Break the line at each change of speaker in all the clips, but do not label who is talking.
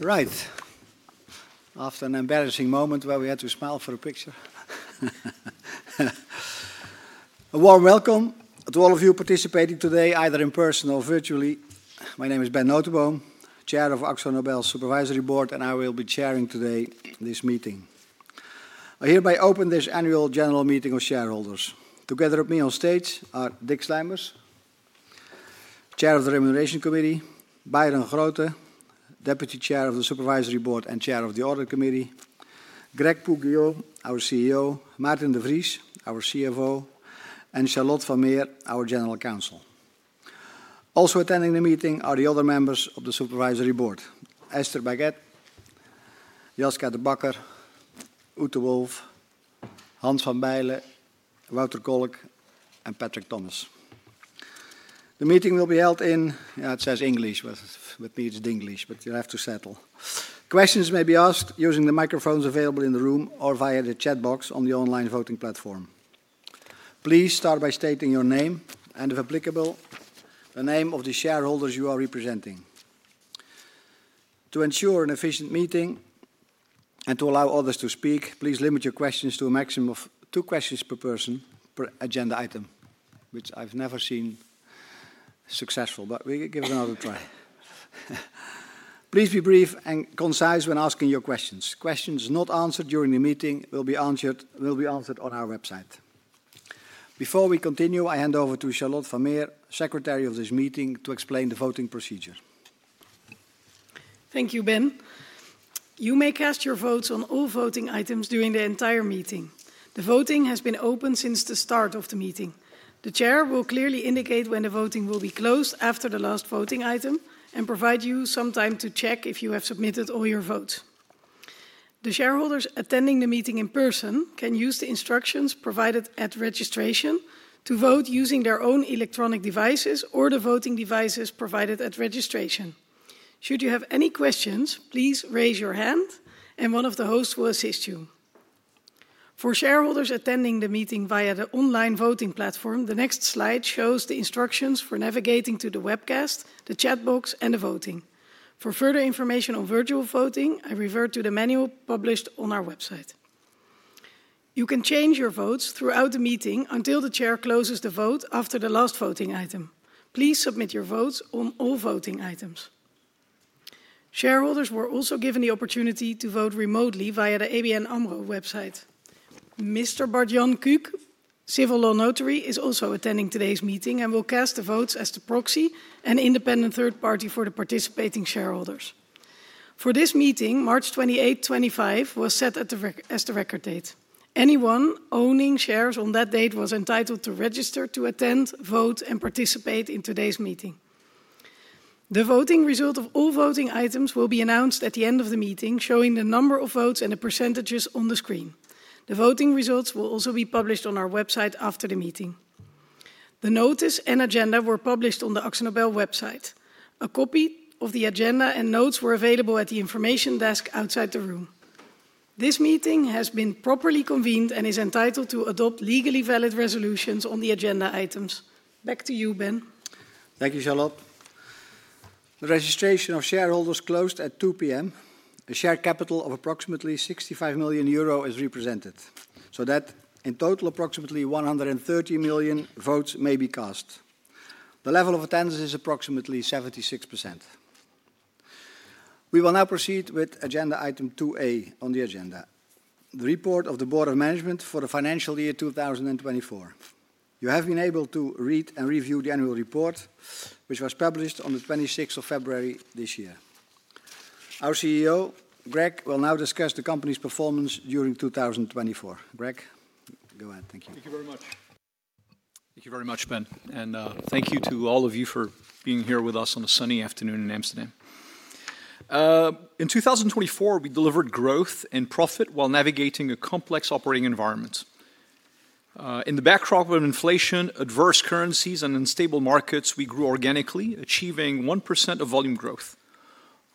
Right, after an embarrassing moment where we had to smile for a picture. A warm welcome to all of you participating today, either in person or virtually. My name is Ben Notenboom, Chair of AkzoNobel Supervisory Board, and I will be chairing today this meeting. I hereby open this annual general meeting of shareholders. Together with me on stage are Dick Sluimers, Chair of the Remuneration Committee; Byron Grote, Deputy Chair of the Supervisory Board and Chair of the Audit Committee; Grégoire Poux-Guillaume, our CEO; Maarten de Vries, our CFO; and Charlotte Vermeer, our General Counsel. Also attending the meeting are the other members of the Supervisory Board: Esther Baguette, Jelska de Bakker, Ute Wolff, Hans van Beylen, Wouter Kolk, and Patrick Thomas. The meeting will be held in, yeah, it says English, but it needs Dinglish, but you'll have to settle. Questions may be asked using the microphones available in the room or via the chat box on the online voting platform. Please start by stating your name and, if applicable, the name of the shareholders you are representing. To ensure an efficient meeting and to allow others to speak, please limit your questions to a maximum of two questions per person per agenda item, which I have never seen successful, but we will give it another try. Please be brief and concise when asking your questions. Questions not answered during the meeting will be answered on our website. Before we continue, I hand over to Charlotte Vermeer, Secretary of this meeting, to explain the voting procedure.
Thank you, Ben. You may cast your votes on all voting items during the entire meeting. The voting has been open since the start of the meeting. The Chair will clearly indicate when the voting will be closed after the last voting item and provide you some time to check if you have submitted all your votes. The shareholders attending the meeting in person can use the instructions provided at registration to vote using their own electronic devices or the voting devices provided at registration. Should you have any questions, please raise your hand, and one of the hosts will assist you. For shareholders attending the meeting via the online voting platform, the next slide shows the instructions for navigating to the webcast, the chat box, and the voting. For further information on virtual voting, I refer to the manual published on our website. You can change your votes throughout the meeting until the Chair closes the vote after the last voting item. Please submit your votes on all voting items. Shareholders were also given the opportunity to vote remotely via the ABN AMRO website. Mr. Bart-Jan Kuuk, civil law notary, is also attending today's meeting and will cast the votes as the proxy and independent third party for the participating shareholders. For this meeting, March 28th, 2025, was set as the record date. Anyone owning shares on that date was entitled to register, to attend, vote, and participate in today's meeting. The voting result of all voting items will be announced at the end of the meeting, showing the number of votes and the percentages on the screen. The voting results will also be published on our website after the meeting. The notice and agenda were published on the AkzoNobel website. A copy of the agenda and notes were available at the information desk outside the room. This meeting has been properly convened and is entitled to adopt legally valid resolutions on the agenda items. Back to you, Ben.
Thank you, Charlotte. The registration of shareholders closed at 2:00 P.M. A share capital of approximately 65 million euro is represented, so that in total approximately 130 million votes may be cast. The level of attendance is approximately 76%. We will now proceed with agenda item 2A on the agenda, the report of the Board of Management for the financial year 2024. You have been able to read and review the annual report, which was published on the 26th of February this year. Our CEO, Greg, will now discuss the company's performance during 2024. Greg, go ahead. Thank you.
Thank you very much. Thank you very much, Ben. Thank you to all of you for being here with us on a sunny afternoon in Amsterdam. In 2024, we delivered growth and profit while navigating a complex operating environment. In the backdrop of inflation, adverse currencies, and unstable markets, we grew organically, achieving 1% of volume growth.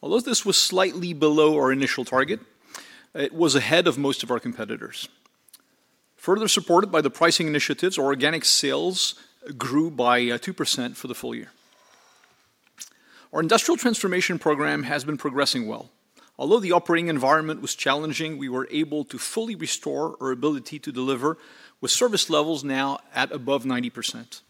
Although this was slightly below our initial target, it was ahead of most of our competitors. Further supported by the pricing initiatives, organic sales grew by 2% for the full year. Our industrial transformation program has been progressing well. Although the operating environment was challenging, we were able to fully restore our ability to deliver, with service levels now at above 90%.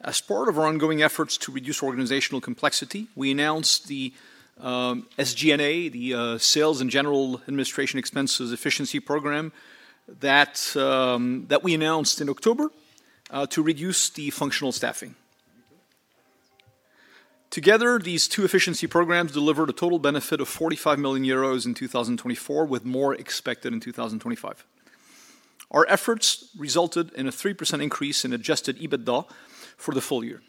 As part of our ongoing efforts to reduce organizational complexity, we announced the SG&A, the Sales and General Administration Expenses Efficiency Program, that we announced in October to reduce the functional staffing. Together, these two efficiency programs delivered a total benefit of 45 million euros in 2024, with more expected in 2025. Our efforts resulted in a 3% increase in adjusted EBITDA for the full year.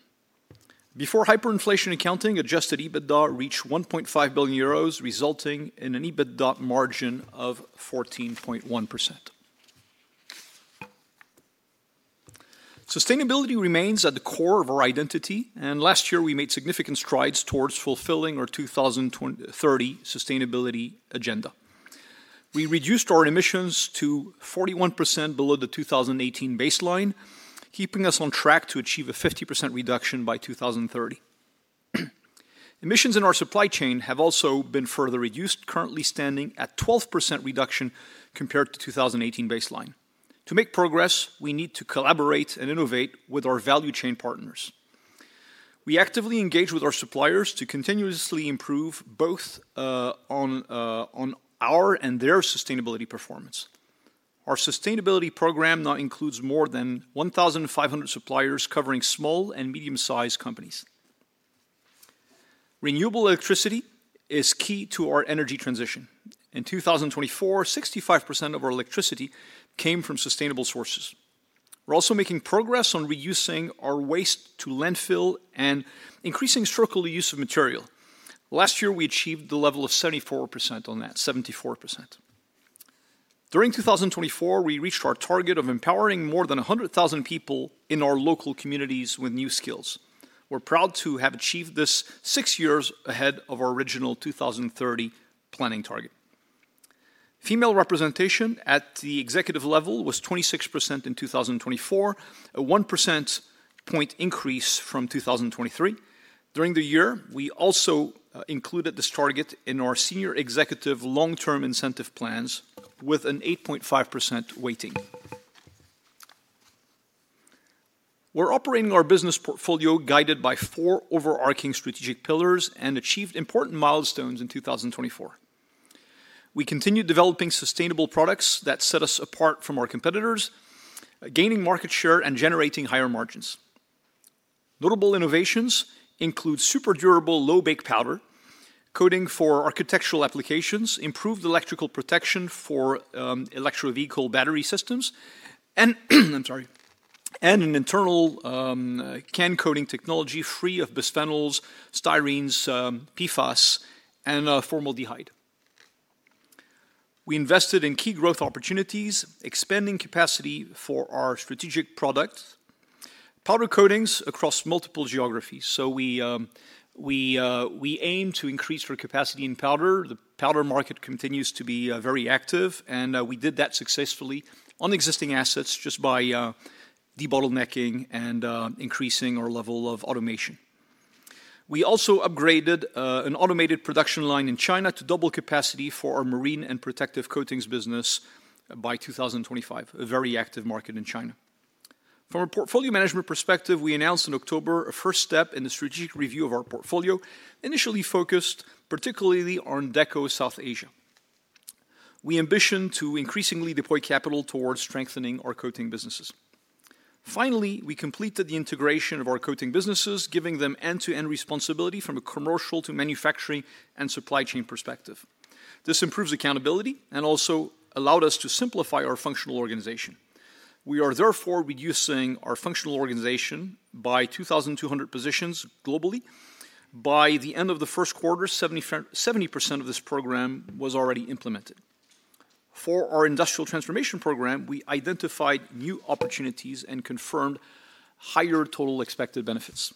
Before hyperinflation accounting, adjusted EBITDA reached 1.5 billion euros, resulting in an EBITDA margin of 14.1%. Sustainability remains at the core of our identity, and last year, we made significant strides towards fulfilling our 2030 sustainability agenda. We reduced our emissions to 41% below the 2018 baseline, keeping us on track to achieve a 50% reduction by 2030. Emissions in our supply chain have also been further reduced, currently standing at a 12% reduction compared to the 2018 baseline. To make progress, we need to collaborate and innovate with our value chain partners. We actively engage with our suppliers to continuously improve both on our and their sustainability performance. Our sustainability program now includes more than 1,500 suppliers covering small and medium-sized companies. Renewable electricity is key to our energy transition. In 2024, 65% of our electricity came from sustainable sources. We're also making progress on reusing our waste to landfill and increasing structural use of material. Last year, we achieved the level of 74% on that, 74%. During 2024, we reached our target of empowering more than 100,000 people in our local communities with new skills. We're proud to have achieved this six years ahead of our original 2030 planning target. Female representation at the executive level was 26% in 2024, a 1% increase from 2023. During the year, we also included this target in our senior executive long-term incentive plans with an 8.5% weighting. We're operating our business portfolio guided by four overarching strategic pillars and achieved important milestones in 2024. We continue developing sustainable products that set us apart from our competitors, gaining market share, and generating higher margins. Notable innovations include super durable low-bake powder coating for architectural applications, improved electrical protection for electric vehicle battery systems and an internal can coating technology free of bisphenols, styrenes PFAS formaldehyde. We invested in key growth opportunities, expanding capacity for our strategic product, powder coatings across multiple geographies. We aim to increase our capacity in powder. The powder market continues to be very active, and we did that successfully on existing assets just by debottlenecking and increasing our level of automation. We also upgraded an automated production line in China to double capacity for our marine and protective coatings business by 2025, a very active market in China. From a portfolio management perspective, we announced in October a first step in the strategic review of our portfolio, initially focused particularly on Deco South Asia. We ambition to increasingly deploy capital towards strengthening our coating businesses. Finally, we completed the integration of our coating businesses, giving them end-to-end responsibility from a commercial to manufacturing and supply chain perspective. This improves accountability and also allowed us to simplify our functional organization. We are therefore reducing our functional organization by 2,200 positions globally. By the end of the first quarter, 70% of this program was already implemented. For our industrial transformation program, we identified new opportunities and confirmed higher total expected benefits.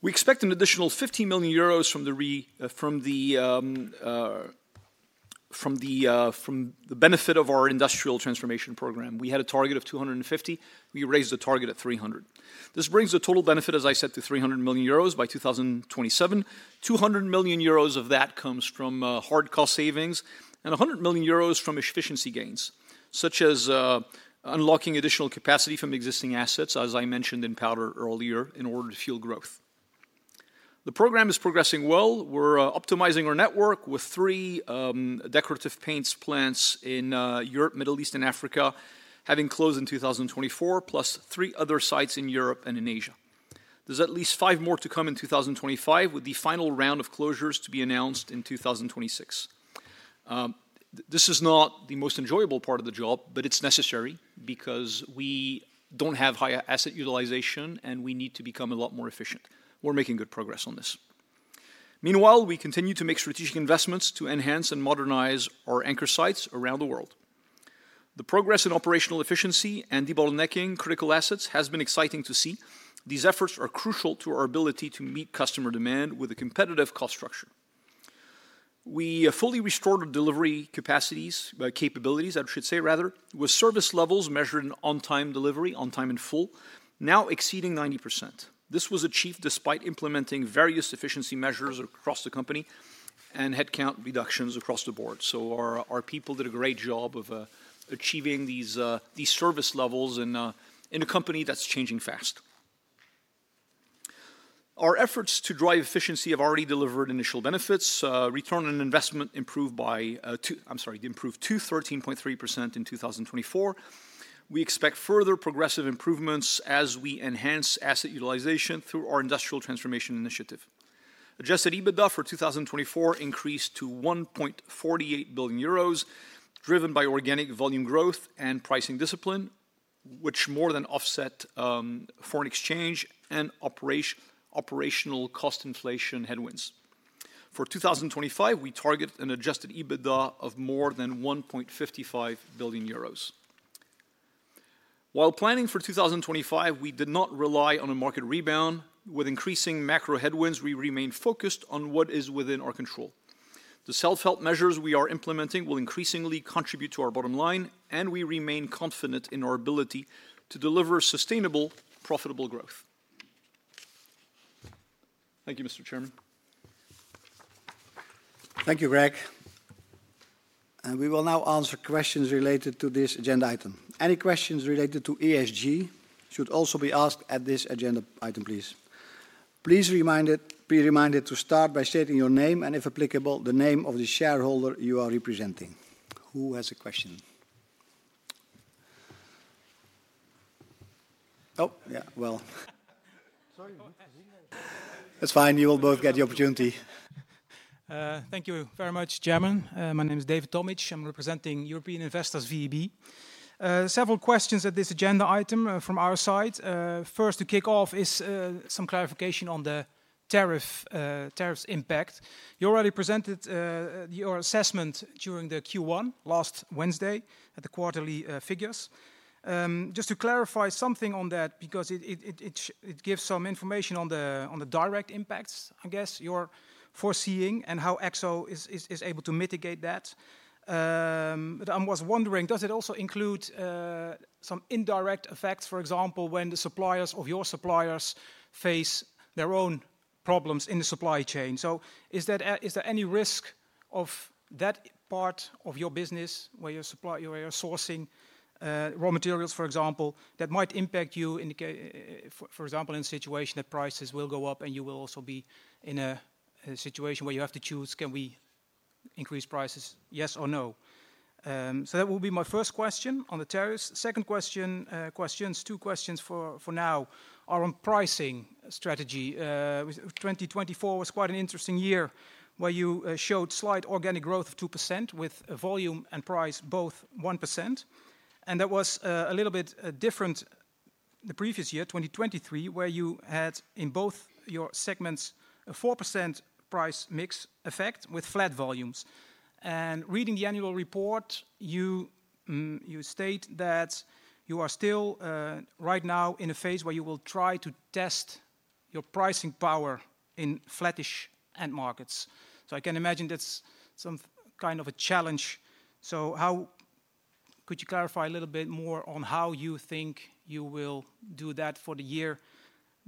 We expect an additional 50 million euros from the benefit of our industrial transformation program. We had a target of 250 million. We raised the target at 300 million. This brings the total benefit, as I said, to 300 million euros by 2027. 200 million euros of that comes from hard cost savings and 100 million euros from efficiency gains, such as unlocking additional capacity from existing assets, as I mentioned in powder earlier, in order to fuel growth. The program is progressing well. We're optimizing our network with three decorative paints plants in Europe, Middle East, and Africa, having closed in 2024, plus three other sites in Europe and in Asia. There's at least five more to come in 2025, with the final round of closures to be announced in 2026. This is not the most enjoyable part of the job, but it's necessary because we don't have high asset utilization, and we need to become a lot more efficient. We're making good progress on this. Meanwhile, we continue to make strategic investments to enhance and modernize our anchor sites around the world. The progress in operational efficiency and debottlenecking critical assets has been exciting to see. These efforts are crucial to our ability to meet customer demand with a competitive cost structure. We fully restored our delivery capacities, capabilities, I should say rather, with service levels measured in on-time delivery, on-time and full, now exceeding 90%. This was achieved despite implementing various efficiency measures across the company and headcount reductions across the board. Our people did a great job of achieving these service levels in a company that's changing fast. Our efforts to drive efficiency have already delivered initial benefits. Return on investment improved to 13.3% in 2024. We expect further progressive improvements as we enhance asset utilization through our industrial transformation initiative. Adjusted EBITDA for 2024 increased to 1.48 billion euros, driven by organic volume growth and pricing discipline, which more than offset foreign exchange and operational cost inflation headwinds. For 2025, we target an adjusted EBITDA of more than 1.55 billion euros. While planning for 2025, we did not rely on a market rebound. With increasing macro headwinds, we remain focused on what is within our control. The self-help measures we are implementing will increasingly contribute to our bottom line, and we remain confident in our ability to deliver sustainable, profitable growth. Thank you, Mr. Chairman.
Thank you, Greg. We will now answer questions related to this agenda item. Any questions related to ESG should also be asked at this agenda item, please. Please be reminded to start by stating your name and, if applicable, the name of the shareholder you are representing. Who has a question? Oh, yeah, well. Sorry. That's fine. You will both get the opportunity.
Thank you very much, Chairman. My name is David Tomic. I'm representing European Investors VEB. Several questions at this agenda item from our side. First, to kick off is some clarification on the tariffs impact. You already presented your assessment during the Q1 last Wednesday at the quarterly figures. Just to clarify something on that, because it gives some information on the direct impacts, I guess, you're foreseeing and how AkzoNobel is able to mitigate that. I was wondering, does it also include some indirect effects, for example, when the suppliers of your suppliers face their own problems in the supply chain? Is there any risk of that part of your business where you're sourcing raw materials, for example, that might impact you, for example, in a situation that prices will go up and you will also be in a situation where you have to choose, can we increase prices, yes or no? That will be my first question on the tariffs. Second question, questions, two questions for now are on pricing strategy. 2024 was quite an interesting year where you showed slight organic growth of 2% with volume and price both 1%. That was a little bit different the previous year, 2023, where you had in both your segments a 4% price mix effect with flat volumes. Reading the annual report, you state that you are still right now in a phase where you will try to test your pricing power in flattish end markets. I can imagine that's some kind of a challenge. How could you clarify a little bit more on how you think you will do that for the year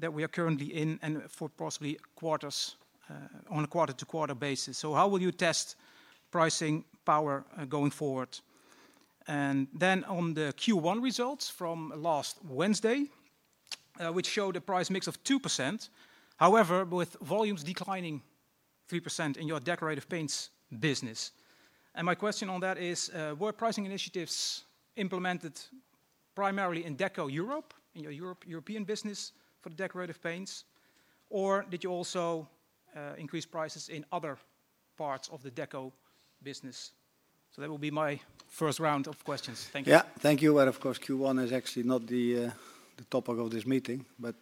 that we are currently in and for possibly quarters on a quarter-to-quarter basis? How will you test pricing power going forward? On the Q1 results from last Wednesday, which showed a price mix of 2%, however, with volumes declining 3% in your decorative paints business. My question on that is, were pricing initiatives implemented primarily in Deco Europe, in your European business for the decorative paints, or did you also increase prices in other parts of the Deco business? That will be my first round of questions. Thank you.
Yeah, thank you. Of course, Q1 is actually not the topic of this meeting, but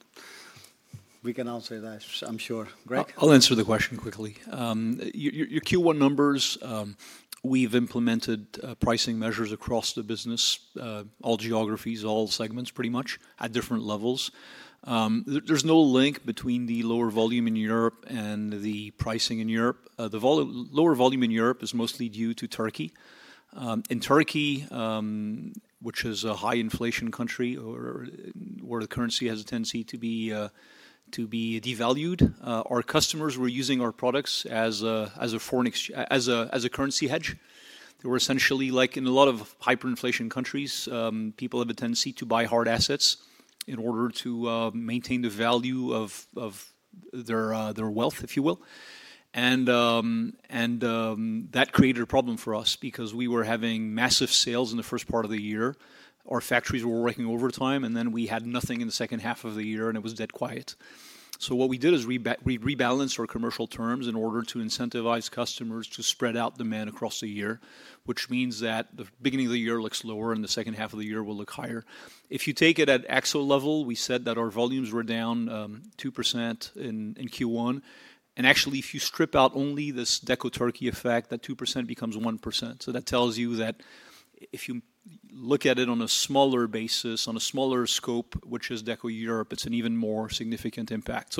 we can answer that, I'm sure. Greg.
I'll answer the question quickly. Your Q1 numbers, we've implemented pricing measures across the business, all geographies, all segments, pretty much at different levels. There's no link between the lower volume in Europe and the pricing in Europe. The lower volume in Europe is mostly due to Turkey. In Turkey, which is a high-inflation country where the currency has a tendency to be devalued, our customers were using our products as a currency hedge. They were essentially like in a lot of hyperinflation countries, people have a tendency to buy hard assets in order to maintain the value of their wealth, if you will. That created a problem for us because we were having massive sales in the first part of the year. Our factories were working overtime, and then we had nothing in the second half of the year, and it was dead quiet. What we did is we rebalanced our commercial terms in order to incentivize customers to spread out demand across the year, which means that the beginning of the year looks lower and the second half of the year will look higher. If you take it at AkzoNobel level, we said that our volumes were down 2% in Q1. Actually, if you strip out only this Deco Turkey effect, that 2% becomes 1%. That tells you that if you look at it on a smaller basis, on a smaller scope, which is Deco Europe, it is an even more significant impact.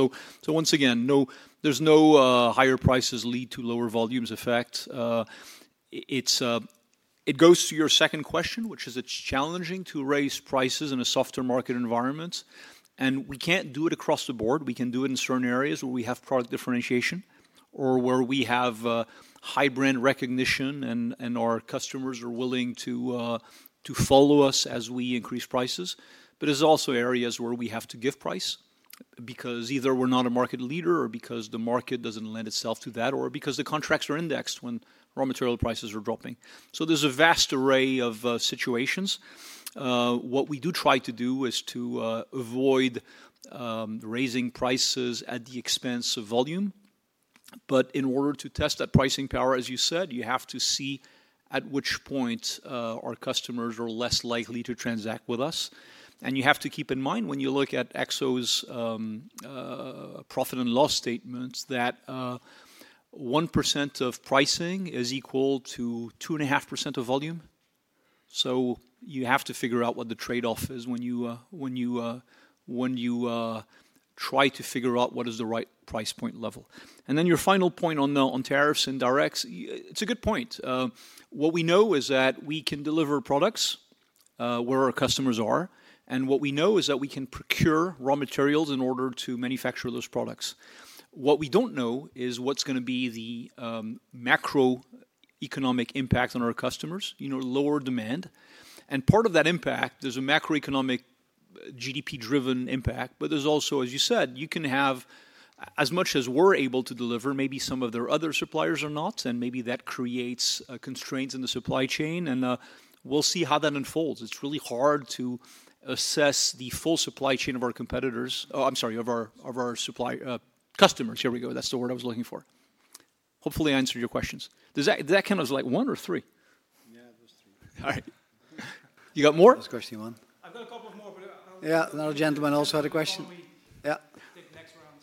Once again, there is no higher prices lead to lower volumes effect. It goes to your second question, which is it is challenging to raise prices in a softer market environment. We cannot do it across the board. We can do it in certain areas where we have product differentiation or where we have high brand recognition and our customers are willing to follow us as we increase prices. There are also areas where we have to give price because either we're not a market leader or because the market doesn't lend itself to that or because the contracts are indexed when raw material prices are dropping. There is a vast array of situations. What we do try to do is to avoid raising prices at the expense of volume. In order to test that pricing power, as you said, you have to see at which point our customers are less likely to transact with us. You have to keep in mind when you look at AkzoNobel's profit and loss statements that 1% of pricing is equal to 2.5% of volume. You have to figure out what the trade-off is when you try to figure out what is the right price point level. Your final point on tariffs and directs, it's a good point. What we know is that we can deliver products where our customers are. What we know is that we can procure raw materials in order to manufacture those products. What we do not know is what is going to be the macroeconomic impact on our customers, lower demand. Part of that impact, there is a macroeconomic GDP-driven impact, but there is also, as you said, you can have as much as we are able to deliver, maybe some of their other suppliers are not, and maybe that creates constraints in the supply chain. We will see how that unfolds. It is really hard to assess the full supply chain of our customers. Here we go. That's the word I was looking for. Hopefully, I answered your questions. Did that count as like one or three?
Yeah, it was three.
All right. You got more?
Last question, Yvonne. I've got a couple more, but.
Yeah, another gentleman also had a question. Yeah.
I think next round.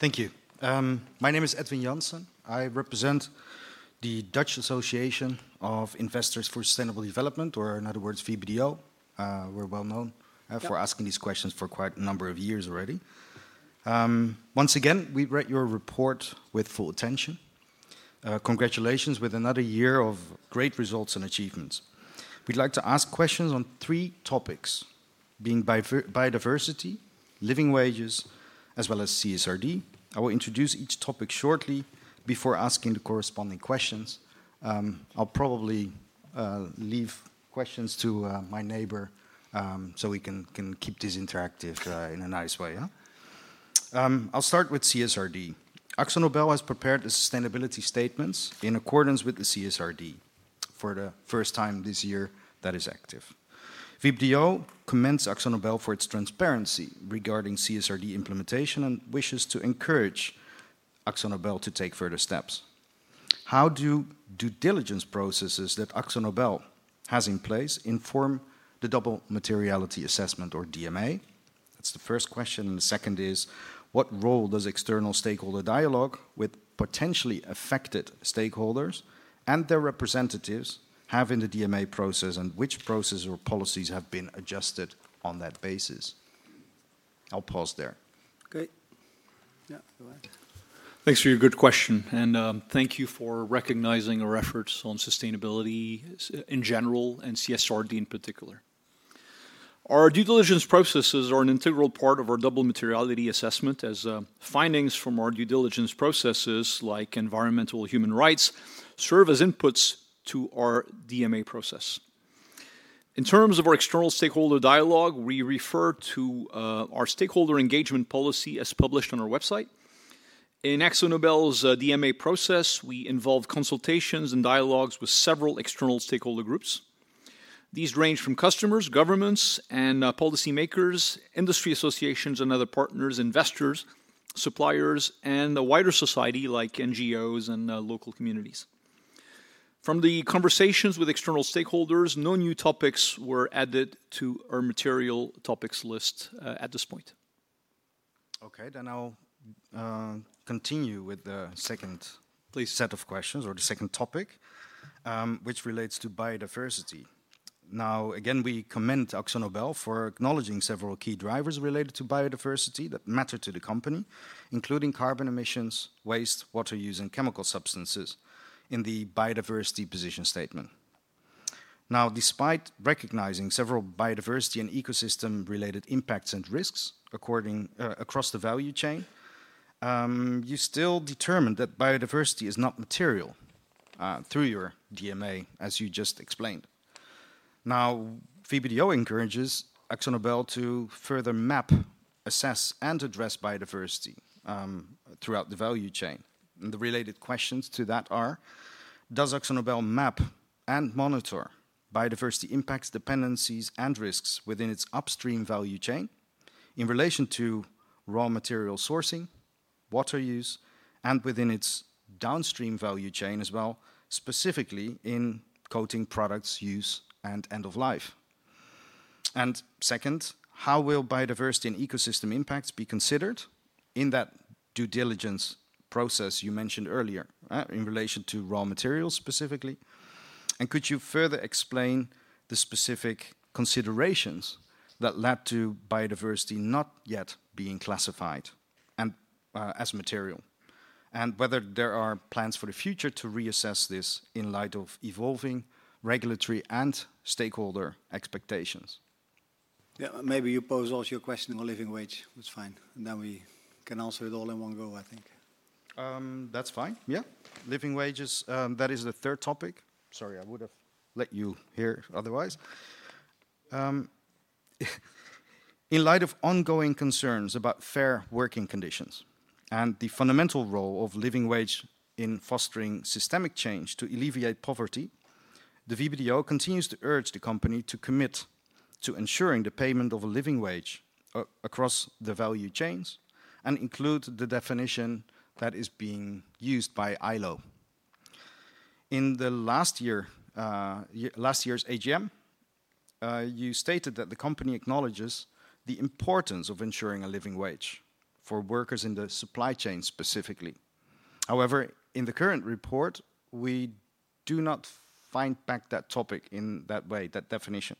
Thank you. My name is Edwin Janssen. I represent the Dutch Association of Investors for Sustainable Development, or in other words, VBDO. We're well known for asking these questions for quite a number of years already. Once again, we read your report with full attention. Congratulations with another year of great results and achievements. We'd like to ask questions on three topics being biodiversity, living wages, as well as CSRD. I will introduce each topic shortly before asking the corresponding questions. I'll probably leave questions to my neighbor so we can keep this interactive in a nice way. I'll start with CSRD. AkzoNobel has prepared a sustainability statement in accordance with the CSRD for the first time this year that is active. VBDO commends AkzoNobel for its transparency regarding CSRD implementation and wishes to encourage AkzoNobel to take further steps. How do due diligence processes that ExxonMobil has in place inform the double materiality assessment or DMA? That's the first question. The second is, what role does external stakeholder dialogue with potentially affected stakeholders and their representatives have in the DMA process and which processes or policies have been adjusted on that basis? I'll pause there.
Great. Yeah, go ahead.
Thanks for your good question. Thank you for recognizing our efforts on sustainability in general and CSRD in particular. Our due diligence processes are an integral part of our double materiality assessment as findings from our due diligence processes like environmental human rights serve as inputs to our DMA process. In terms of our external stakeholder dialogue, we refer to our stakeholder engagement policy as published on our website. In AkzoNobel's DMA process, we involve consultations and dialogues with several external stakeholder groups. These range from customers, governments, and policymakers, industry associations and other partners, investors, suppliers, and the wider society like NGOs and local communities. From the conversations with external stakeholders, no new topics were added to our material topics list at this point.
Okay, I'll continue with the second set of questions or the second topic, which relates to biodiversity. Now, again, we commend AkzoNobel for acknowledging several key drivers related to biodiversity that matter to the company, including carbon emissions, waste, water use, and chemical substances in the biodiversity position statement. Now, despite recognizing several biodiversity and ecosystem-related impacts and risks across the value chain, you still determined that biodiversity is not material through your DMA, as you just explained. Now, VBDO encourages AkzoNobel to further map, assess, and address biodiversity throughout the value chain. The related questions to that are, does AkzoNobel map and monitor biodiversity impacts, dependencies, and risks within its upstream value chain in relation to raw material sourcing, water use, and within its downstream value chain as well, specifically in coating products, use, and end of life? How will biodiversity and ecosystem impacts be considered in that due diligence process you mentioned earlier in relation to raw materials specifically? Could you further explain the specific considerations that led to biodiversity not yet being classified as material and whether there are plans for the future to reassess this in light of evolving regulatory and stakeholder expectations?
Yeah, maybe you pose also your question on living wages. That's fine. Then we can answer it all in one go, I think.
That's fine. Yeah. Living wages, that is the third topic. Sorry, I would have let you hear otherwise. In light of ongoing concerns about fair working conditions and the fundamental role of living wage in fostering systemic change to alleviate poverty, the VBDO continues to urge the company to commit to ensuring the payment of a living wage across the value chains and include the definition that is being used by ILO. In the last year's AGM, you stated that the company acknowledges the importance of ensuring a living wage for workers in the supply chain specifically. However, in the current report, we do not find back that topic in that way, that definition.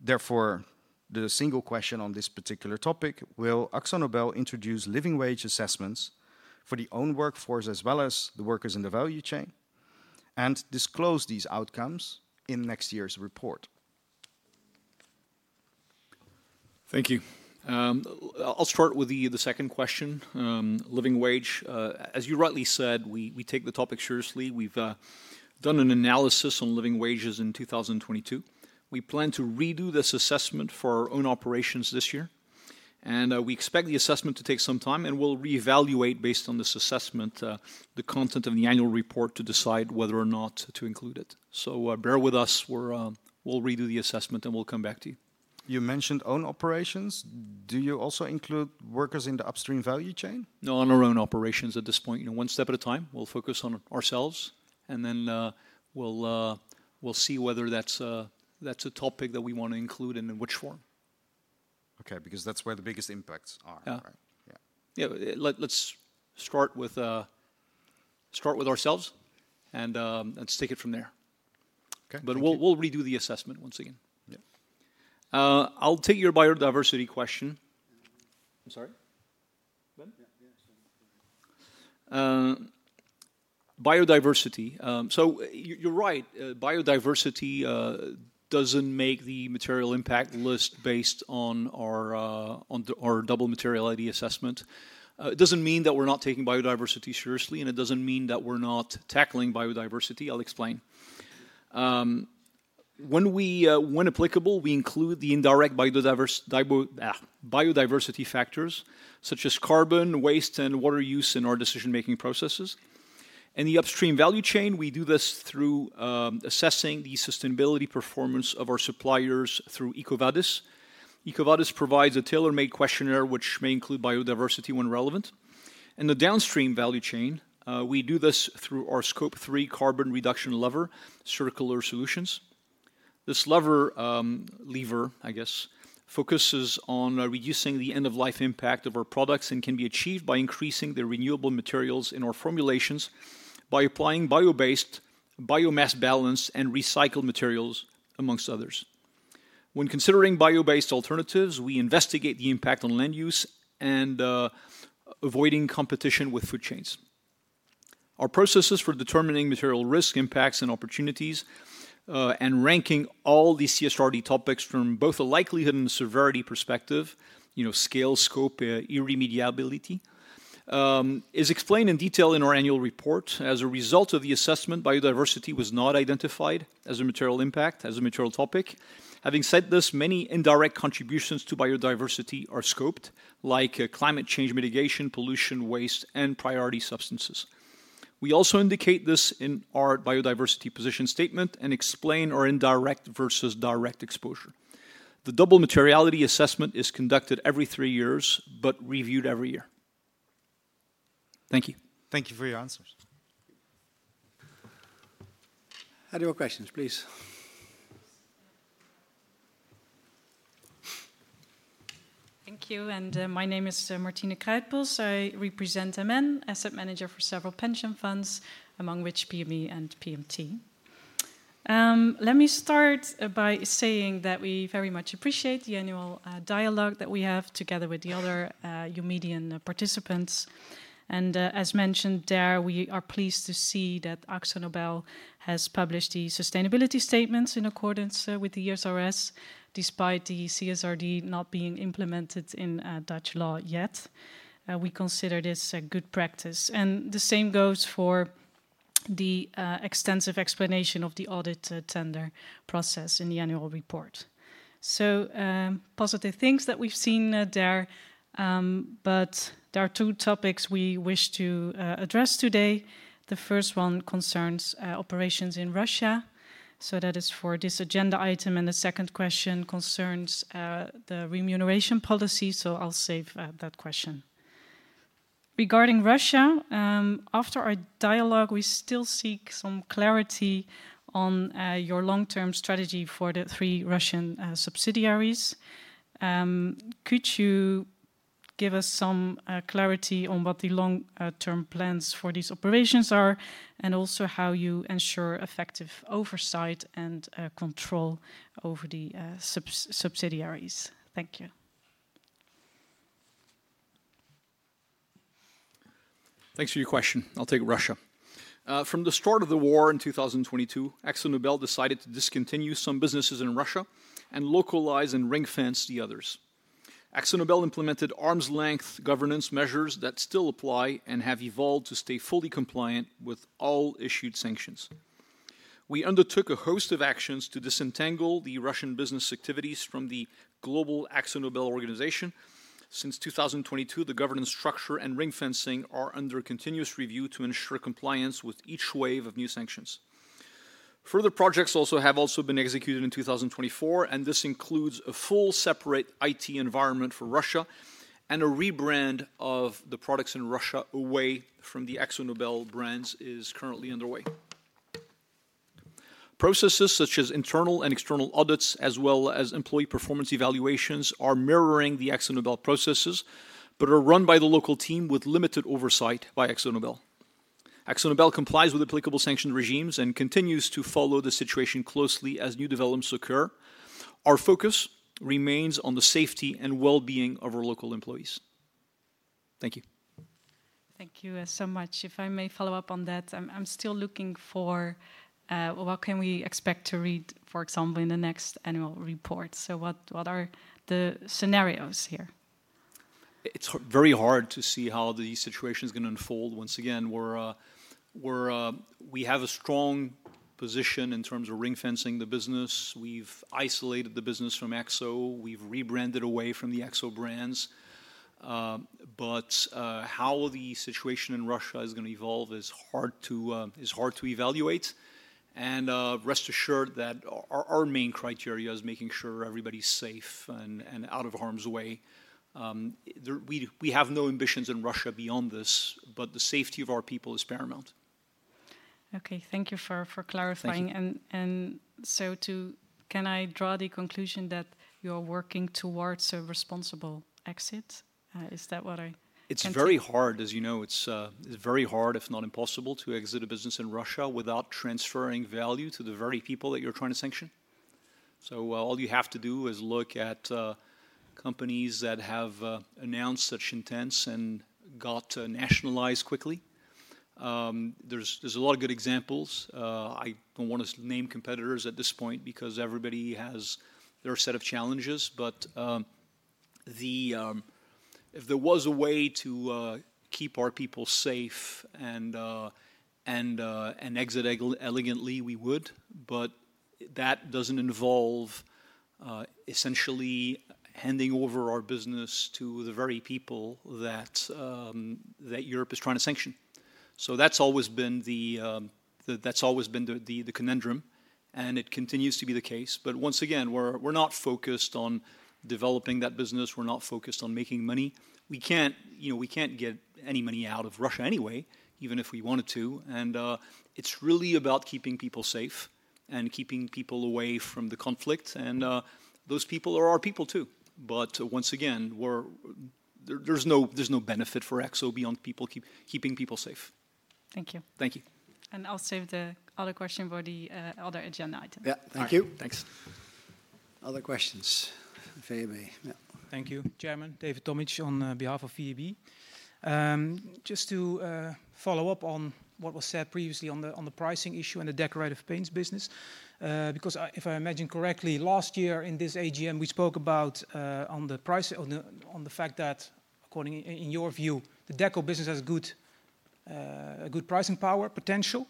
Therefore, the single question on this particular topic, will AkzoNobel introduce living wage assessments for the own workforce as well as the workers in the value chain and disclose these outcomes in next year's report?
Thank you. I'll start with the second question, living wage. As you rightly said, we take the topic seriously. We've done an analysis on living wages in 2022. We plan to redo this assessment for our own operations this year. We expect the assessment to take some time, and we'll reevaluate based on this assessment the content of the annual report to decide whether or not to include it. Bear with us. We'll redo the assessment, and we'll come back to you.
You mentioned own operations. Do you also include workers in the upstream value chain?
No, on our own operations at this point. One step at a time. We'll focus on ourselves, and then we'll see whether that's a topic that we want to include and in which form.
Okay, because that's where the biggest impacts are, right?
Yeah. Yeah, let's start with ourselves, and let's take it from there. We'll redo the assessment once again. I'll take your biodiversity question. I'm sorry?
Yeah, yeah.
Biodiversity. You're right. Biodiversity doesn't make the material impact list based on our double materiality assessment. It doesn't mean that we're not taking biodiversity seriously, and it doesn't mean that we're not tackling biodiversity. I'll explain. When applicable, we include the indirect biodiversity factors such as carbon, waste, and water use in our decision-making processes. In the upstream value chain, we do this through assessing the sustainability performance of our suppliers through EcoVadis. EcoVadis provides a tailor-made questionnaire, which may include biodiversity when relevant. In the downstream value chain, we do this through our Scope three carbon reduction lever, Circular Solutions. This lever, I guess, focuses on reducing the end-of-life impact of our products and can be achieved by increasing the renewable materials in our formulations by applying bio-based, biomass-balanced, and recycled materials, amongst others. When considering bio-based alternatives, we investigate the impact on land use and avoiding competition with food chains. Our processes for determining material risk impacts and opportunities and ranking all the CSRD topics from both a likelihood and severity perspective, scale, scope, irremediability, is explained in detail in our annual report. As a result of the assessment, biodiversity was not identified as a material impact, as a material topic. Having said this, many indirect contributions to biodiversity are scoped, like climate change mitigation, pollution, waste, and priority substances. We also indicate this in our biodiversity position statement and explain our indirect versus direct exposure. The double materiality assessment is conducted every three years, but reviewed every year.
Thank you. Thank you for your answers.
Add your questions, please.
Thank you. My name is Martina Kruijtbeld. I represent MN, Asset Manager for several pension funds, among which PME and PMT. Let me start by saying that we very much appreciate the annual dialogue that we have together with the other Eumedian participants. As mentioned there, we are pleased to see that AkzoNobel has published the sustainability statements in accordance with the ESRS, despite the CSRD not being implemented in Dutch law yet. We consider this a good practice. The same goes for the extensive explanation of the audit tender process in the annual report. Positive things that we've seen there, but there are two topics we wish to address today. The first one concerns operations in Russia. That is for this agenda item. The second question concerns the remuneration policy. I'll save that question. Regarding Russia, after our dialogue, we still seek some clarity on your long-term strategy for the three Russian subsidiaries. Could you give us some clarity on what the long-term plans for these operations are and also how you ensure effective oversight and control over the subsidiaries? Thank you.
Thanks for your question. I'll take Russia. From the start of the war in 2022, AkzoNobel decided to discontinue some businesses in Russia and localize and ring-fence the others. AkzoNobel implemented arm's-length governance measures that still apply and have evolved to stay fully compliant with all issued sanctions. We undertook a host of actions to disentangle the Russian business activities from the global AkzoNobel organization. Since 2022, the governance structure and ring-fencing are under continuous review to ensure compliance with each wave of new sanctions. Further projects have also been executed in 2024, and this includes a full separate IT environment for Russia and a rebrand of the products in Russia away from the AkzoNobel brands is currently underway. Processes such as internal and external audits, as well as employee performance evaluations, are mirroring the AkzoNobel processes, but are run by the local team with limited oversight by AkzoNobel. ExxonMobil complies with applicable sanctioned regimes and continues to follow the situation closely as new developments occur. Our focus remains on the safety and well-being of our local employees. Thank you.
Thank you so much. If I may follow up on that, I'm still looking for what can we expect to read, for example, in the next annual report. What are the scenarios here?
It's very hard to see how the situation is going to unfold. Once again, we have a strong position in terms of ring-fencing the business. We've isolated the business from Exxo. We've rebranded away from the Exxo brands. How the situation in Russia is going to evolve is hard to evaluate. Rest assured that our main criteria is making sure everybody's safe and out of harm's way. We have no ambitions in Russia beyond this, but the safety of our people is paramount.
Thank you for clarifying. Can I draw the conclusion that you are working towards a responsible exit? Is that what I mean?
It's very hard, as you know. It's very hard, if not impossible, to exit a business in Russia without transferring value to the very people that you're trying to sanction. All you have to do is look at companies that have announced such intents and got nationalized quickly. There are a lot of good examples. I don't want to name competitors at this point because everybody has their set of challenges. If there was a way to keep our people safe and exit elegantly, we would. That doesn't involve essentially handing over our business to the very people that Europe is trying to sanction. That's always been the conundrum, and it continues to be the case. Once again, we're not focused on developing that business. We're not focused on making money. We can't get any money out of Russia anyway, even if we wanted to. It is really about keeping people safe and keeping people away from the conflict. Those people are our people too. Once again, there is no benefit for AkzoNobel beyond keeping people safe.
Thank you.
Thank you.
I'll save the other question for the other agenda item.
Yeah, thank you. Thanks. Other questions, if anybody?
Thank you, Chairman. David Tomic on behalf of VEB. Just to follow up on what was said previously on the pricing issue and the Decorative Paints business, because if I imagine correctly, last year in this AGM, we spoke about the fact that, according to your view, the Deco business has a good pricing power potential.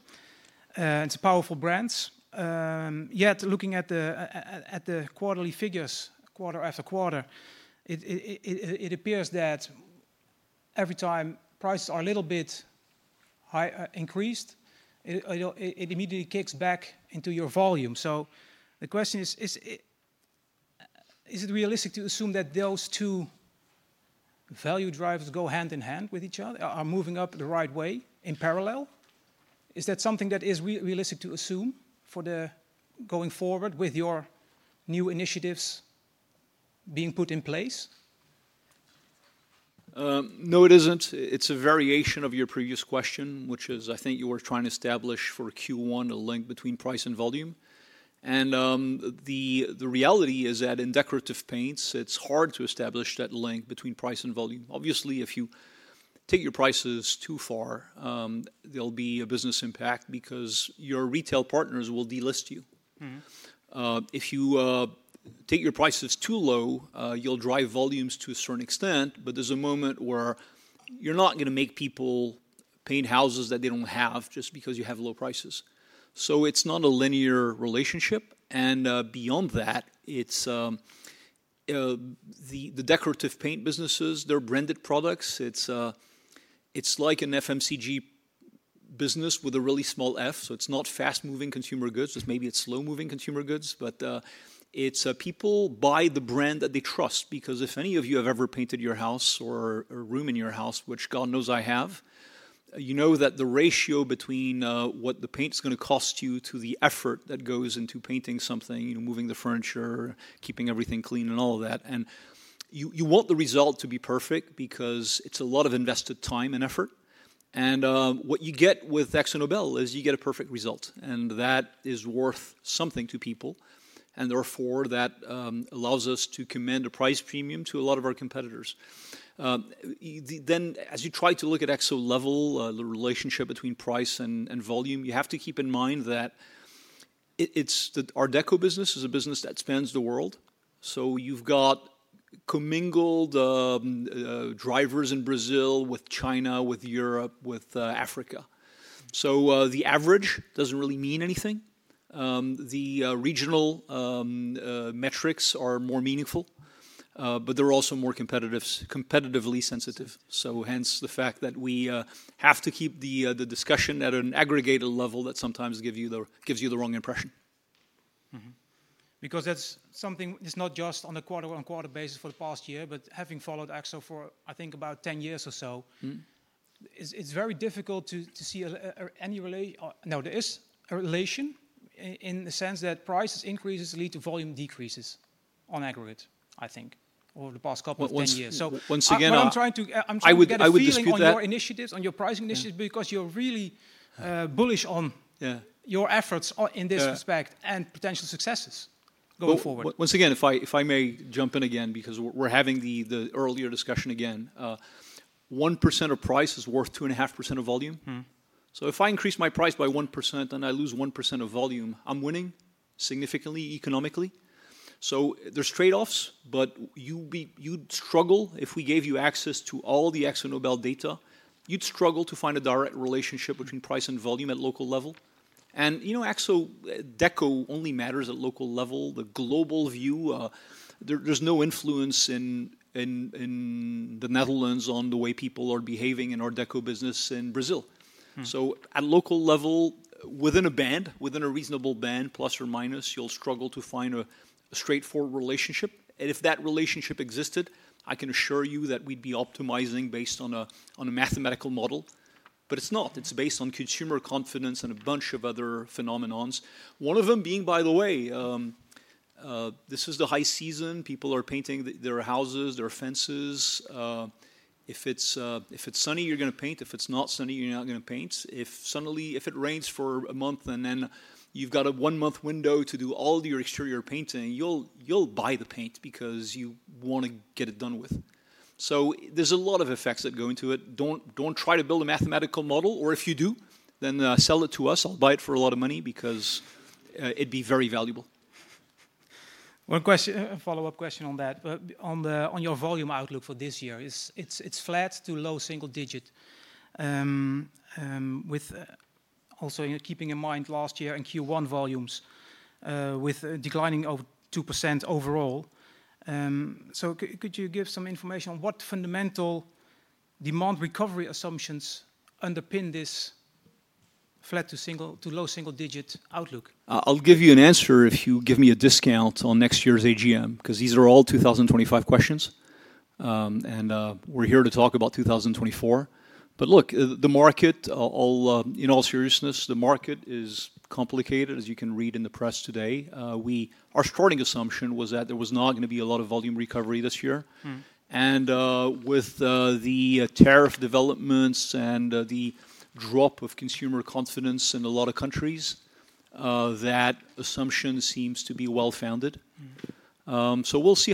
It's a powerful brand. Yet, looking at the quarterly figures, quarter after quarter, it appears that every time prices are a little bit increased, it immediately kicks back into your volume. The question is, is it realistic to assume that those two value drives go hand in hand with each other, are moving up the right way in parallel? Is that something that is realistic to assume for the going forward with your new initiatives being put in place?
No, it isn't. It's a variation of your previous question, which is, I think you were trying to establish for Q1 a link between price and volume. The reality is that in decorative paints, it's hard to establish that link between price and volume. Obviously, if you take your prices too far, there will be a business impact because your retail partners will delist you. If you take your prices too low, you'll drive volumes to a certain extent, but there's a moment where you're not going to make people paint houses that they don't have just because you have low prices. It is not a linear relationship. Beyond that, the decorative paint businesses, they're branded products. It's like an FMCG business with a really small F. It is not fast-moving consumer goods. Maybe it's slow-moving consumer goods, but it's people buy the brand that they trust. Because if any of you have ever painted your house or a room in your house, which God knows I have, you know that the ratio between what the paint is going to cost you to the effort that goes into painting something, moving the furniture, keeping everything clean, and all of that. You want the result to be perfect because it is a lot of invested time and effort. What you get with AkzoNobel is you get a perfect result. That is worth something to people. Therefore, that allows us to commend a price premium to a lot of our competitors. As you try to look at AkzoNobel, the relationship between price and volume, you have to keep in mind that our Deco business is a business that spans the world. You have commingled drivers in Brazil with China, with Europe, with Africa. The average doesn't really mean anything. The regional metrics are more meaningful, but they're also more competitively sensitive. Hence the fact that we have to keep the discussion at an aggregated level that sometimes gives you the wrong impression.
Because that's something that's not just on a quarter-on-quarter basis for the past year, but having followed AkzoNobel for, I think, about 10 years or so, it's very difficult to see any relation. No, there is a relation in the sense that price increases lead to volume decreases on aggregate, I think, over the past couple of 10 years.
Once again,
I would get a slightly more initiatives on your pricing initiative because you're really bullish on your efforts in this respect and potential successes going forward.
Once again, if I may jump in again, because we're having the earlier discussion again, 1% of price is worth 2.5% of volume. If I increase my price by 1% and I lose 1% of volume, I'm winning significantly economically. There are trade-offs, but you'd struggle if we gave you access to all the ExxonMobil data. You'd struggle to find a direct relationship between price and volume at local level. Exxo Deco only matters at local level. The global view, there's no influence in the Netherlands on the way people are behaving in our Deco business in Brazil. At local level, within a band, within a reasonable band, plus or minus, you'll struggle to find a straightforward relationship. If that relationship existed, I can assure you that we'd be optimizing based on a mathematical model. It is not. It is based on consumer confidence and a bunch of other phenomenons. One of them being, by the way, this is the high season. People are painting their houses, their fences. If it is sunny, you are going to paint. If it is not sunny, you are not going to paint. If suddenly, if it rains for a month and then you have a one-month window to do all your exterior painting, you will buy the paint because you want to get it done with. There are a lot of effects that go into it. Do not try to build a mathematical model. Or if you do, then sell it to us. I will buy it for a lot of money because it would be very valuable.
One question, a follow-up question on that. On your volume outlook for this year, it's flat to low single digit, also keeping in mind last year and Q1 volumes with declining of 2% overall. Could you give some information on what fundamental demand recovery assumptions underpin this flat to low single digit outlook?
I'll give you an answer if you give me a discount on next year's AGM, because these are all 2025 questions. We're here to talk about 2024. Look, the market, in all seriousness, the market is complicated, as you can read in the press today. Our starting assumption was that there was not going to be a lot of volume recovery this year. With the tariff developments and the drop of consumer confidence in a lot of countries, that assumption seems to be well-founded. We'll see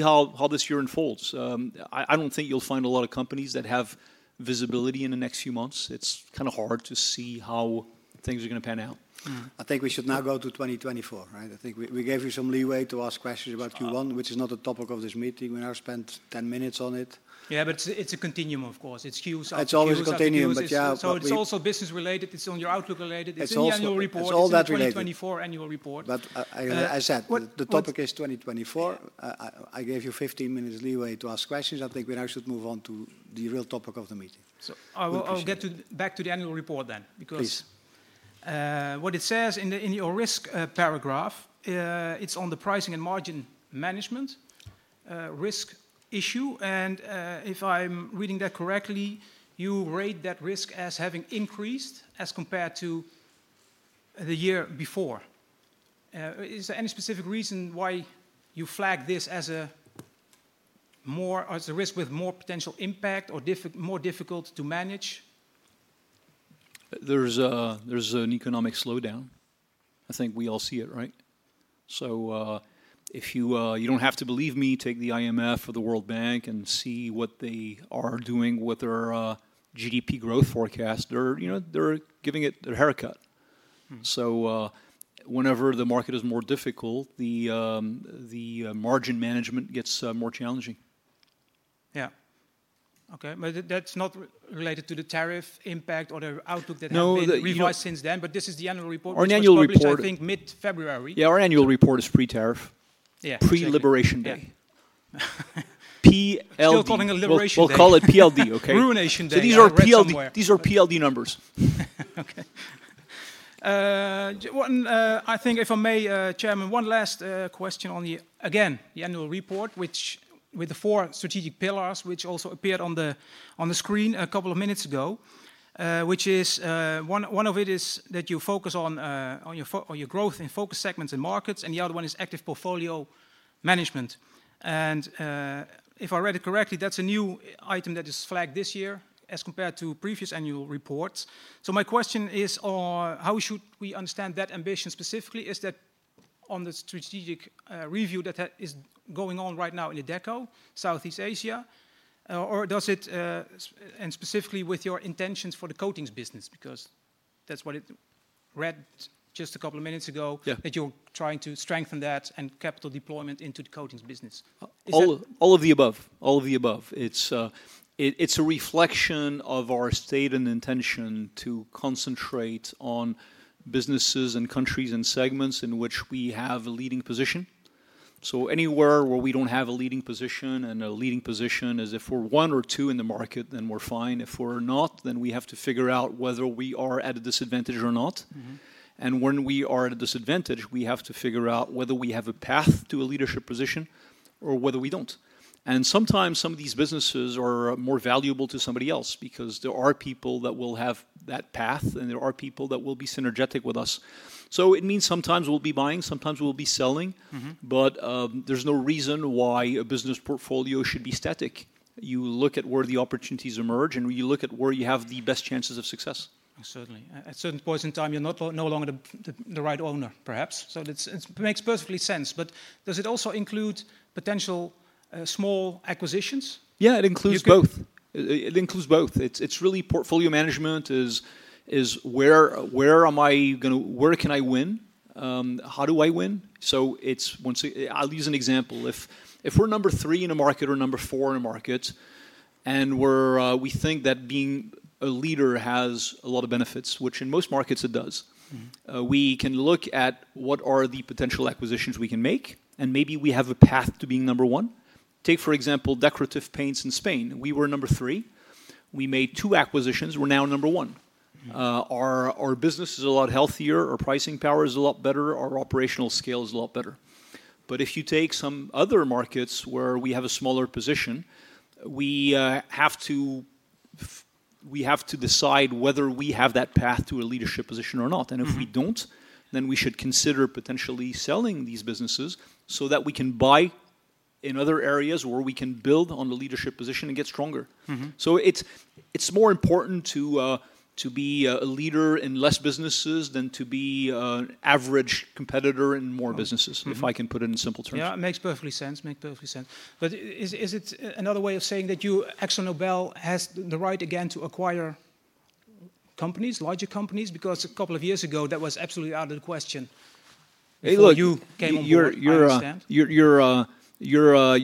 how this year unfolds. I don't think you'll find a lot of companies that have visibility in the next few months. It's kind of hard to see how things are going to pan out.
I think we should now go to 2024, right? I think we gave you some leeway to ask questions about Q1, which is not a topic of this meeting. We now spent 10 minutes on it.
Yeah, but it's a continuum, of course. It's Q.
It's always a continuum, but yeah.
It is also business-related. It is on your outlook-related. It's all that related. It's all that related. 2024 annual report.
I said, the topic is 2024. I gave you 15 minutes leeway to ask questions. I think we now should move on to the real topic of the meeting.
I'll get back to the annual report then, because what it says in your risk paragraph, it's on the pricing and margin management risk issue. If I'm reading that correctly, you rate that risk as having increased as compared to the year before. Is there any specific reason why you flag this as a risk with more potential impact or more difficult to manage?
There's an economic slowdown. I think we all see it, right? If you don't have to believe me, take the IMF or the World Bank and see what they are doing with their GDP growth forecast. They're giving it their haircut. Whenever the market is more difficult, the margin management gets more challenging.
Yeah. Okay. That is not related to the tariff impact or the outlook that has been revised since then. That is the annual report.
Our annual report.
Which is, I think, mid-February.
Yeah, our annual report is pre-tariff, pre-Liberation Day.
Still calling it Liberation Day.
We'll call it PLD, okay?
Ruination day.
These are PLD numbers.
Okay. I think, if I may, Chairman, one last question on the, again, the annual report, which with the four strategic pillars, which also appeared on the screen a couple of minutes ago, which is one of it is that you focus on your growth in focus segments and markets, and the other one is active portfolio management. If I read it correctly, that's a new item that is flagged this year as compared to previous annual reports. My question is, how should we understand that ambition specifically? Is that on the strategic review that is going on right now in the Deco, Southeast Asia, or does it, and specifically with your intentions for the coatings business, because that's what it read just a couple of minutes ago, that you're trying to strengthen that and capital deployment into the coatings business?
All of the above. It's a reflection of our state and intention to concentrate on businesses and countries and segments in which we have a leading position. Anywhere where we do not have a leading position, and a leading position is if we are one or two in the market, then we are fine. If we are not, we have to figure out whether we are at a disadvantage or not. When we are at a disadvantage, we have to figure out whether we have a path to a leadership position or whether we do not. Sometimes some of these businesses are more valuable to somebody else because there are people that will have that path, and there are people that will be synergetic with us. It means sometimes we'll be buying, sometimes we'll be selling, but there's no reason why a business portfolio should be static. You look at where the opportunities emerge, and you look at where you have the best chances of success.
Certainly. At a certain point in time, you're no longer the right owner, perhaps. It makes perfectly sense. Does it also include potential small acquisitions?
Yeah, it includes both. It includes both. It's really portfolio management is where am I going to, where can I win, how do I win? I'll use an example. If we're number three in a market or number four in a market, and we think that being a leader has a lot of benefits, which in most markets it does, we can look at what are the potential acquisitions we can make, and maybe we have a path to being number one. Take, for example, decorative paints in Spain. We were number three. We made two acquisitions. We're now number one. Our business is a lot healthier. Our pricing power is a lot better. Our operational scale is a lot better. If you take some other markets where we have a smaller position, we have to decide whether we have that path to a leadership position or not. If we do not, then we should consider potentially selling these businesses so that we can buy in other areas where we can build on the leadership position and get stronger. It is more important to be a leader in fewer businesses than to be an average competitor in more businesses, if I can put it in simple terms.
Yeah, it makes perfectly sense. Makes perfectly sense. Is it another way of saying that ExxonMobil has the right again to acquire companies, larger companies? Because a couple of years ago, that was absolutely out of the question.
Hey, look.
You came on board with that.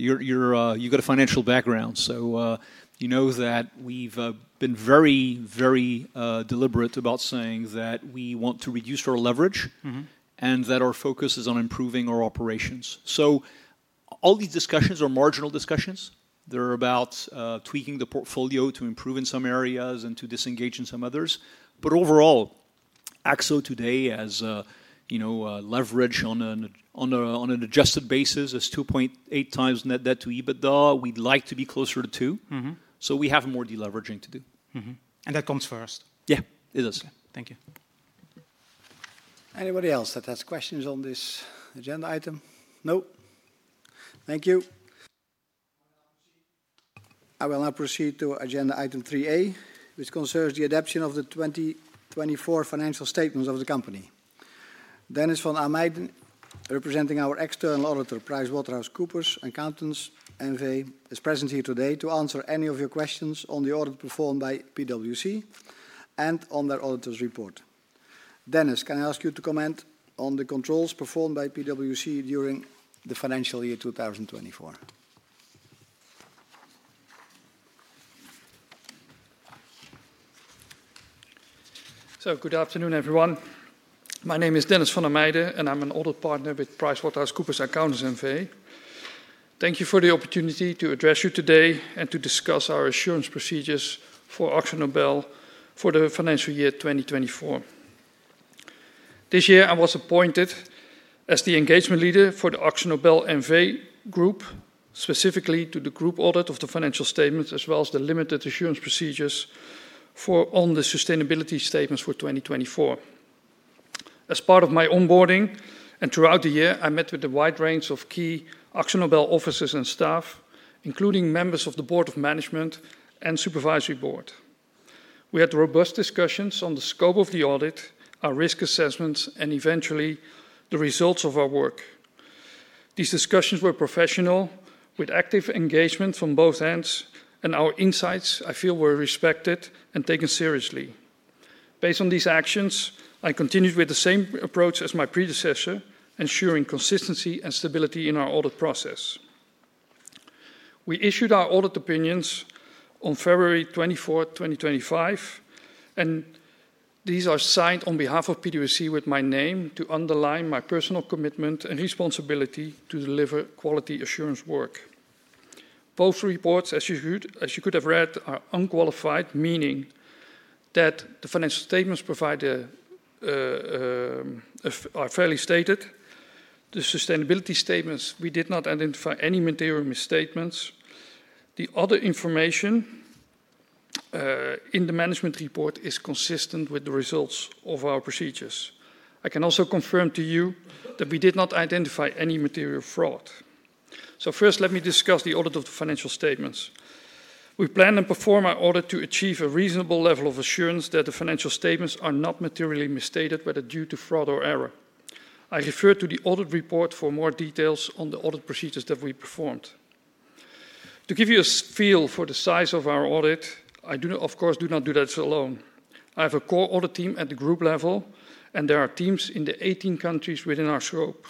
You've got a financial background. You know that we've been very, very deliberate about saying that we want to reduce our leverage and that our focus is on improving our operations. All these discussions are marginal discussions. They're about tweaking the portfolio to improve in some areas and to disengage in some others. Overall, AkzoNobel today, as leverage on an adjusted basis, is 2.8 times net debt to EBITDA. We'd like to be closer to two. We have more deleveraging to do.
That comes first.
Yeah, it is. Thank you.
Anybody else that has questions on this agenda item? No? Thank you. I will now proceed to agenda item 3A, which concerns the adoption of the 2024 financial statements of the company. Dennis van Armeiden, representing our external auditor, PricewaterhouseCoopers Accountants, is present here today to answer any of your questions on the audit performed by PwC and on their auditor's report. Dennis, can I ask you to comment on the controls performed by PwC during the financial year 2024?
Good afternoon, everyone. My name is Dennis van Armeiden, and I'm an audit partner with PricewaterhouseCoopers Accountants, NV. Thank you for the opportunity to address you today and to discuss our assurance procedures for AkzoNobel for the financial year 2024. This year, I was appointed as the engagement leader for the AkzoNobel Group, specifically to the group audit of the financial statements, as well as the limited assurance procedures on the sustainability statements for 2024. As part of my onboarding and throughout the year, I met with a wide range of key AkzoNobel officers and staff, including members of the Board of Management and Supervisory Board. We had robust discussions on the scope of the audit, our risk assessments, and eventually the results of our work. These discussions were professional, with active engagement from both ends, and our insights, I feel, were respected and taken seriously. Based on these actions, I continued with the same approach as my predecessor, ensuring consistency and stability in our audit process. We issued our audit opinions on February 24th, 2025, and these are signed on behalf of PwC with my name to underline my personal commitment and responsibility to deliver quality assurance work. Both reports, as you could have read, are unqualified, meaning that the financial statements are fairly stated. The sustainability statements, we did not identify any material misstatements. The other information in the management report is consistent with the results of our procedures. I can also confirm to you that we did not identify any material fraud. First, let me discuss the audit of the financial statements. We plan and perform our audit to achieve a reasonable level of assurance that the financial statements are not materially misstated, whether due to fraud or error. I refer to the audit report for more details on the audit procedures that we performed. To give you a feel for the size of our audit, I do, of course, do not do that alone. I have a core audit team at the group level, and there are teams in the 18 countries within our scope.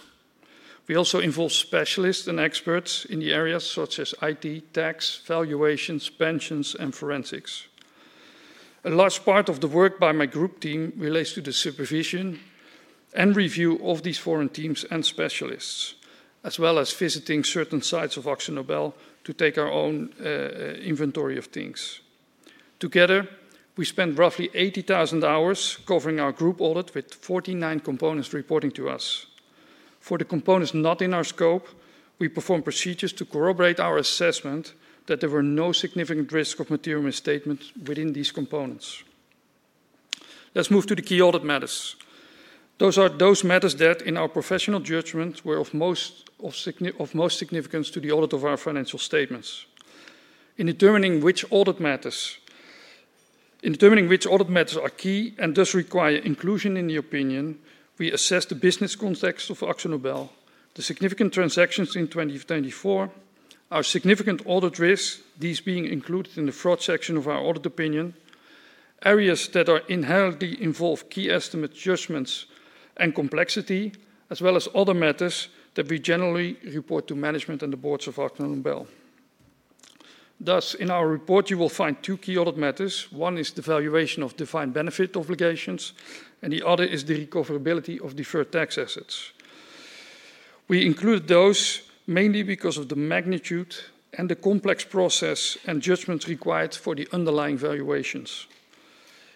We also involve specialists and experts in the areas such as IT, tax, valuations, pensions, and forensics. A large part of the work by my group team relates to the supervision and review of these foreign teams and specialists, as well as visiting certain sites of AkzoNobel to take our own inventory of things. Together, we spent roughly 80,000 hours covering our group audit with 49 components reporting to us. For the components not in our scope, we perform procedures to corroborate our assessment that there were no significant risks of material misstatements within these components. Let's move to the key audit matters. Those are those matters that, in our professional judgment, were of most significance to the audit of our financial statements. In determining which audit matters are key and thus require inclusion in the opinion, we assess the business context of AkzoNobel, the significant transactions in 2024, our significant audit risks, these being included in the fraud section of our audit opinion, areas that inherently involve key estimate judgments and complexity, as well as other matters that we generally report to management and the boards of AkzoNobel. Thus, in our report, you will find two key audit matters. One is the valuation of defined benefit obligations, and the other is the recoverability of deferred tax assets. We include those mainly because of the magnitude and the complex process and judgments required for the underlying valuations.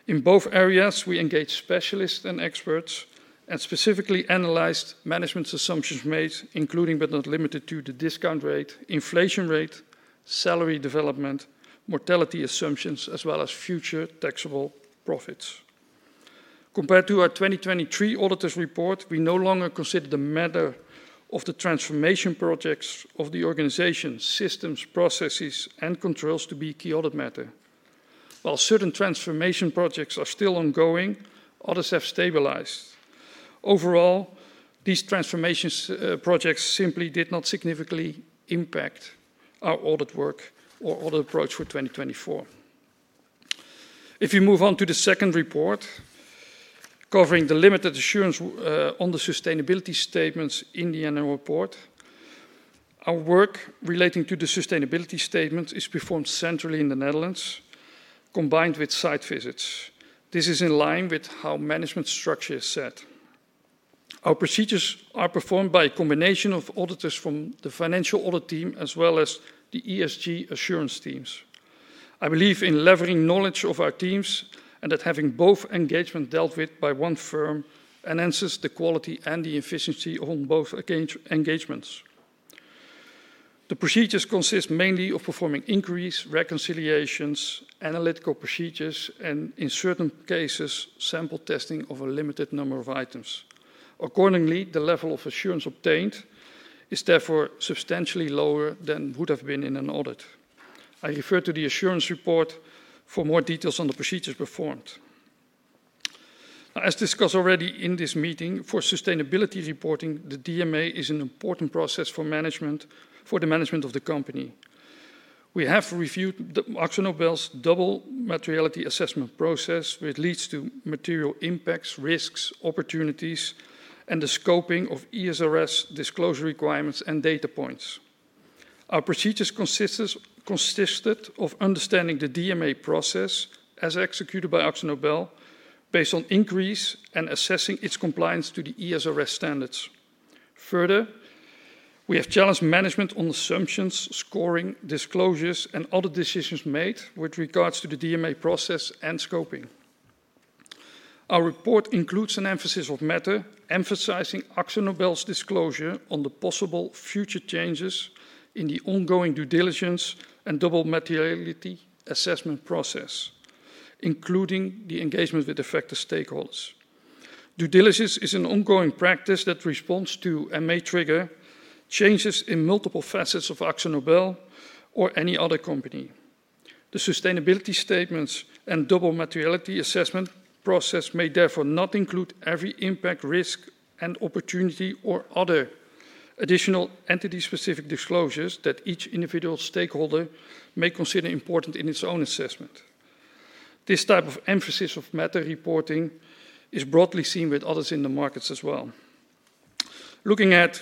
In both areas, we engage specialists and experts and specifically analyze management's assumptions made, including but not limited to the discount rate, inflation rate, salary development, mortality assumptions, as well as future taxable profits. Compared to our 2023 auditor's report, we no longer consider the matter of the transformation projects of the organization, systems, processes, and controls to be key audit matter. While certain transformation projects are still ongoing, others have stabilized. Overall, these transformation projects simply did not significantly impact our audit work or audit approach for 2024. If you move on to the second report, covering the limited assurance on the sustainability statements in the annual report, our work relating to the sustainability statements is performed centrally in the Netherlands, combined with site visits. This is in line with how management structure is set. Our procedures are performed by a combination of auditors from the financial audit team, as well as the ESG assurance teams. I believe in levering knowledge of our teams and that having both engagements dealt with by one firm enhances the quality and the efficiency on both engagements. The procedures consist mainly of performing inquiries, reconciliations, analytical procedures, and in certain cases, sample testing of a limited number of items. Accordingly, the level of assurance obtained is therefore substantially lower than would have been in an audit. I refer to the assurance report for more details on the procedures performed. As discussed already in this meeting, for sustainability reporting, the DMA is an important process for management for the management of the company. We have reviewed AkzoNobel's double materiality assessment process, which leads to material impacts, risks, opportunities, and the scoping of ESRS disclosure requirements and data points. Our procedures consisted of understanding the DMA process as executed by AkzoNobel based on inquiries and assessing its compliance to the ESRS standards. Further, we have challenged management on assumptions, scoring, disclosures, and other decisions made with regards to the DMA process and scoping. Our report includes an emphasis on matter emphasizing AkzoNobel's disclosure on the possible future changes in the ongoing due diligence and double materiality assessment process, including the engagement with affected stakeholders. Due diligence is an ongoing practice that responds to and may trigger changes in multiple facets of AkzoNobel or any other company. The sustainability statements and double materiality assessment process may therefore not include every impact, risk, and opportunity, or other additional entity-specific disclosures that each individual stakeholder may consider important in its own assessment. This type of emphasis of matter reporting is broadly seen with others in the markets as well. Looking ahead,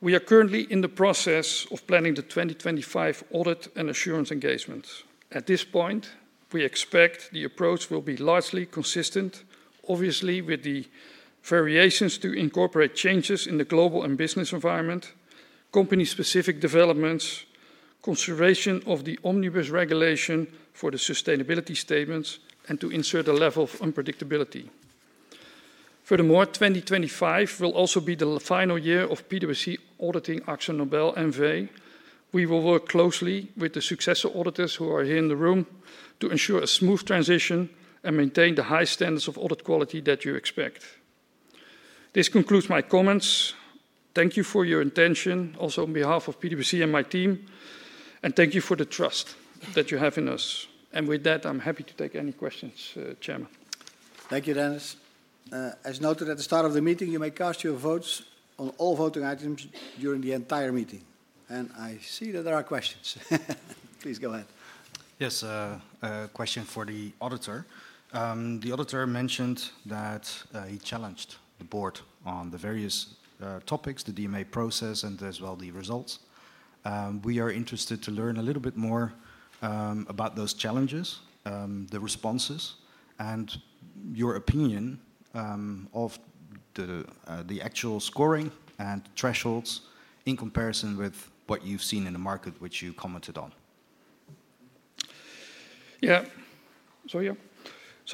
we are currently in the process of planning the 2025 audit and assurance engagements. At this point, we expect the approach will be largely consistent, obviously, with the variations to incorporate changes in the global and business environment, company-specific developments, consideration of the omnibus regulation for the sustainability statements, and to insert a level of unpredictability. Furthermore, 2025 will also be the final year of PwC auditing AkzoNobel. We will work closely with the successor auditors who are here in the room to ensure a smooth transition and maintain the high standards of audit quality that you expect. This concludes my comments. Thank you for your attention, also on behalf of PwC and my team, and thank you for the trust that you have in us. With that, I'm happy to take any questions, Chairman.
Thank you, Dennis. As noted at the start of the meeting, you may cast your votes on all voting items during the entire meeting. I see that there are questions. Please go ahead.
Yes, a question for the auditor. The auditor mentioned that he challenged the board on the various topics, the DMA process, and as well the results. We are interested to learn a little bit more about those challenges, the responses, and your opinion of the actual scoring and thresholds in comparison with what you've seen in the market, which you commented on.
Yeah.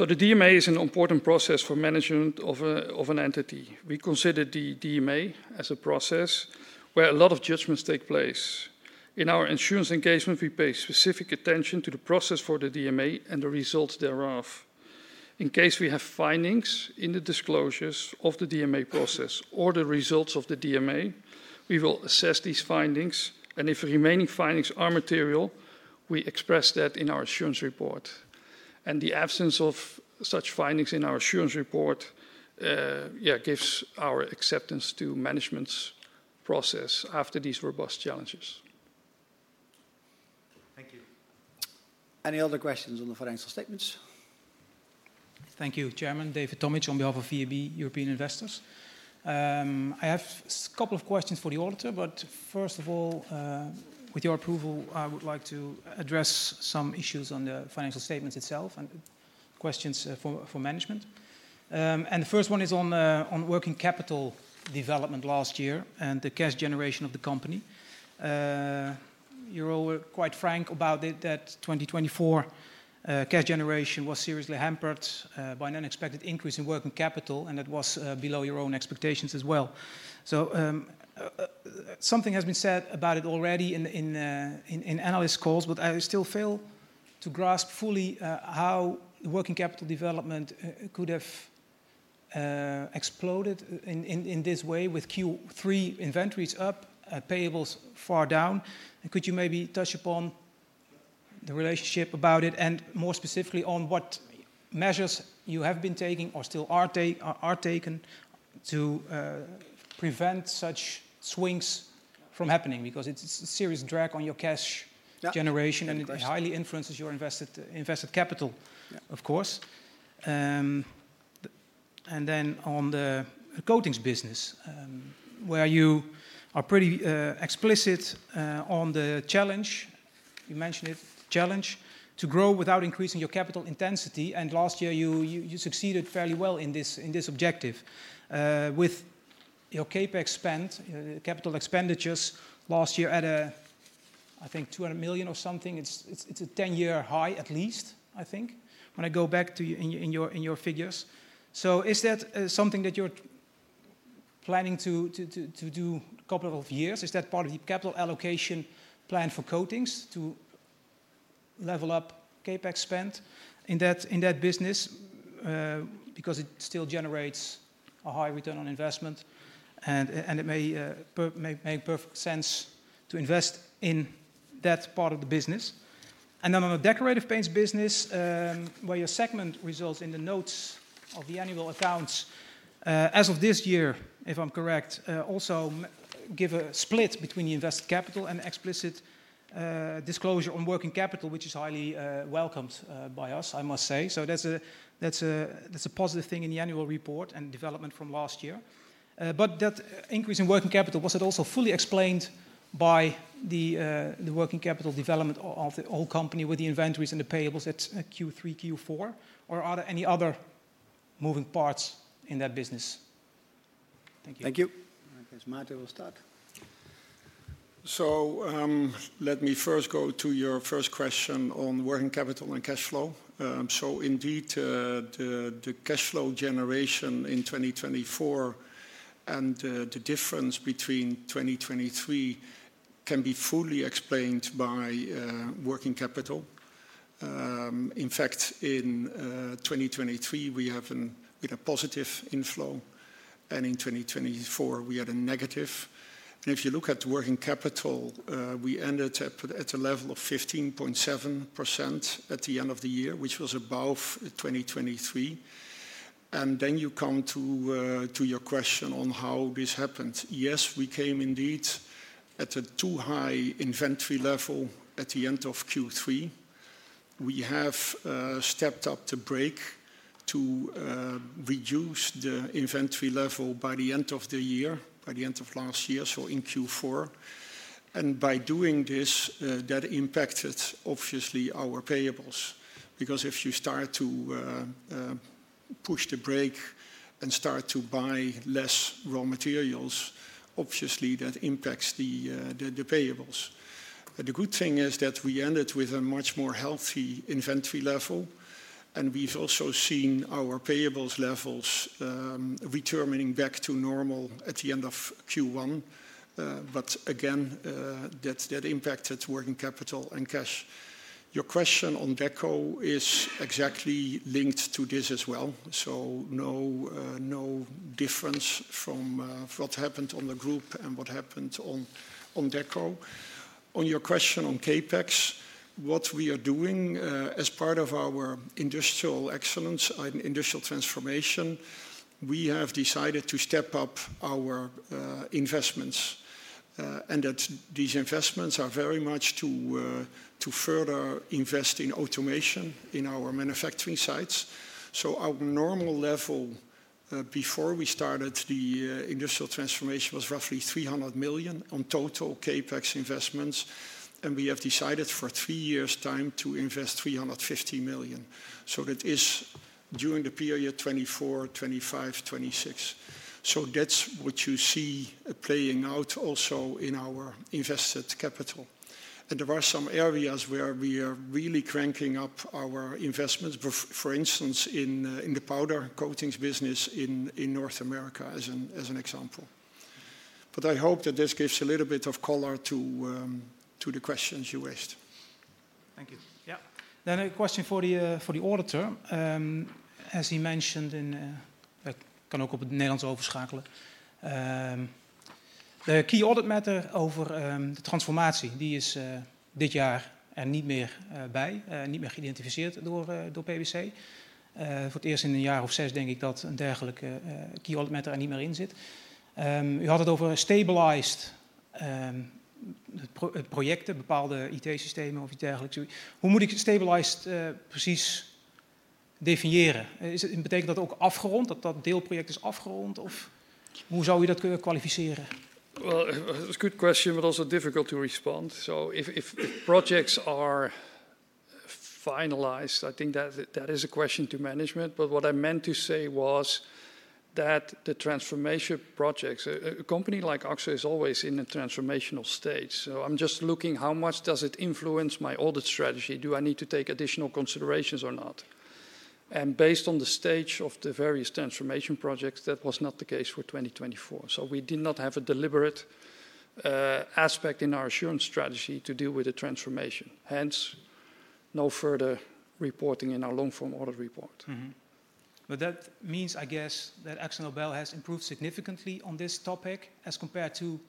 The DMA is an important process for management of an entity. We consider the DMA as a process where a lot of judgments take place. In our assurance engagement, we pay specific attention to the process for the DMA and the results thereof. In case we have findings in the disclosures of the DMA process or the results of the DMA, we will assess these findings, and if remaining findings are material, we express that in our assurance report. The absence of such findings in our assurance report gives our acceptance to management's process after these robust challenges.
Thank you.
Any other questions on the financial statements?
Thank you, Chairman. David Tomic on behalf of VEB European Investors. I have a couple of questions for the auditor, but first of all, with your approval, I would like to address some issues on the financial statements itself and questions for management. The first one is on working capital development last year and the cash generation of the company. You're all quite frank about it that 2024 cash generation was seriously hampered by an unexpected increase in working capital, and that was below your own expectations as well. Something has been said about it already in analyst calls, but I still fail to grasp fully how working capital development could have exploded in this way with Q3 inventories up, payables far down. Could you maybe touch upon the relationship about it and more specifically on what measures you have been taking or still are taking to prevent such swings from happening? Because it is a serious drag on your cash generation, and it highly influences your invested capital, of course. On the coatings business, where you are pretty explicit on the challenge, you mentioned it, challenge to grow without increasing your capital intensity. Last year, you succeeded fairly well in this objective with your CapEx spend, capital expenditures last year at, I think, 200 million or something. It is a 10-year high, at least, I think, when I go back to your figures. Is that something that you are planning to do a couple of years? Is that part of the capital allocation plan for coatings to level up CapEx spend in that business? Because it still generates a high return on investment, and it may make perfect sense to invest in that part of the business. On the decorative paints business, where your segment results in the notes of the annual accounts as of this year, if I'm correct, also give a split between the invested capital and explicit disclosure on working capital, which is highly welcomed by us, I must say. That is a positive thing in the annual report and development from last year. That increase in working capital, was it also fully explained by the working capital development of the whole company with the inventories and the payables at Q3, Q4? Are there any other moving parts in that business? Thank you.
Thank you. Okay, so Maarten will start.
Let me first go to your first question on working capital and cash flow. Indeed, the cash flow generation in 2024 and the difference between 2023 can be fully explained by working capital. In fact, in 2023, we had a positive inflow, and in 2024, we had a negative. If you look at the working capital, we ended at a level of 15.7% at the end of the year, which was above 2023. You come to your question on how this happened. Yes, we came indeed at a too high inventory level at the end of Q3. We have stepped up the brake to reduce the inventory level by the end of the year, by the end of last year, in Q4. By doing this, that impacted, obviously, our payables. Because if you start to push the brake and start to buy less raw materials, obviously, that impacts the payables. The good thing is that we ended with a much more healthy inventory level, and we've also seen our payables levels returning back to normal at the end of Q1. That impacted working capital and cash. Your question on DECO is exactly linked to this as well. No difference from what happened on the group and what happened on DECO. On your question on CapEx, what we are doing as part of our industrial excellence and industrial transformation, we have decided to step up our investments. These investments are very much to further invest in automation in our manufacturing sites. Our normal level before we started the industrial transformation was roughly 300 million on total CapEx investments, and we have decided for three years' time to invest 350 million. That is during the period 2024, 2025, 2026. That is what you see playing out also in our invested capital. There are some areas where we are really cranking up our investments, for instance, in the powder coatings business in North America, as an example. I hope that this gives a little bit of color to the questions you raised.
Thank you. Yeah. Then a question for the auditor. As he mentioned, and that can ook op het Nederlands overschakelen. De key audit matter over the transformation, die is dit jaar niet meer bij, niet meer geïdentificeerd door PwC. Voor het eerst in een jaar of zes, denk ik, dat een dergelijke key audit matter niet meer in zit. U had het over stabilized projecten, bepaalde IT-systemen of iets dergelijks. Hoe moet ik stabilized precies definiëren? Betekent dat ook afgerond, dat dat deelproject is afgerond, of hoe zou u dat kunnen kwalificeren?
It's a good question, but also difficult to respond. If projects are finalized, I think that is a question to management. What I meant to say was that the transformation projects, a company like AkzoNobel is always in a transformational stage. I'm just looking how much does it influence my audit strategy. Do I need to take additional considerations or not? Based on the stage of the various transformation projects, that was not the case for 2024. We did not have a deliberate aspect in our assurance strategy to deal with the transformation. Hence, no further reporting in our long-form audit report.
That means, I guess, that ExxonMobil has improved significantly on this topic as compared to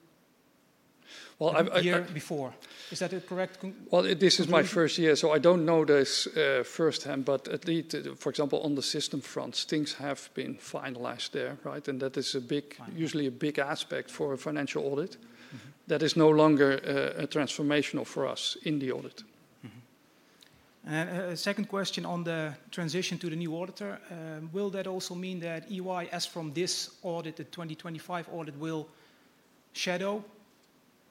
a year before. Is that correct?
This is my first year, so I do not know this firsthand, but at least, for example, on the system front, things have been finalized there, right? That is usually a big aspect for a financial audit that is no longer transformational for us in the audit.
A second question on the transition to the new auditor. Will that also mean that EY, as from this audit, the 2025 audit, will shadow,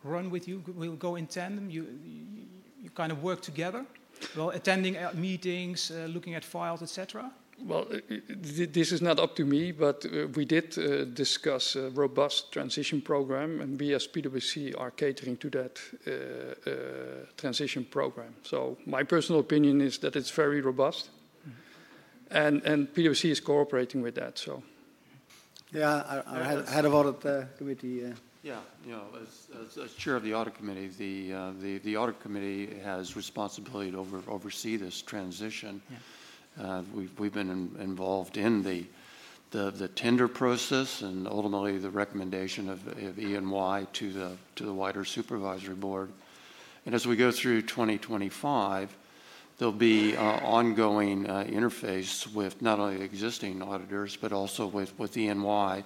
run with you, will go in tandem? You kind of work together? Attending meetings, looking at files, etc.
This is not up to me, but we did discuss a robust transition program, and we as PwC are catering to that transition program. My personal opinion is that it is very robust, and PwC is cooperating with that.
Yeah, head of Audit Committee.
Yeah, yeah. As Chair of the Audit Committee, the Audit Committee has responsibility to oversee this transition. We've been involved in the tender process and ultimately the recommendation of EY to the wider Supervisory Board. As we go through 2025, there'll be ongoing interface with not only existing auditors, but also with EY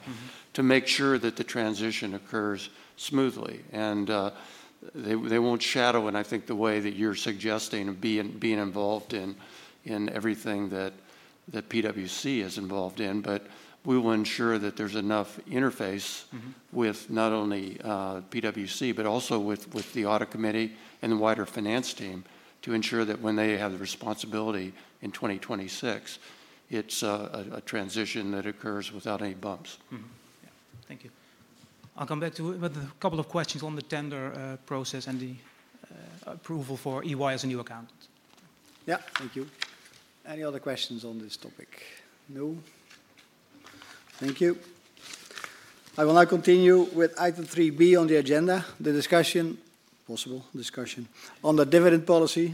to make sure that the transition occurs smoothly. They won't shadow, and I think the way that you're suggesting of being involved in everything that PwC is involved in, but we will ensure that there's enough interface with not only PwC, but also with the Audit Committee and the wider finance team to ensure that when they have the responsibility in 2026, it's a transition that occurs without any bumps.
Yeah, thank you. I'll come back to with a couple of questions on the tender process and the approval for EY as a new account.
Yeah, thank you. Any other questions on this topic? No? Thank you. I will now continue with item 3B on the agenda, the discussion, possible discussion, on the dividend policy.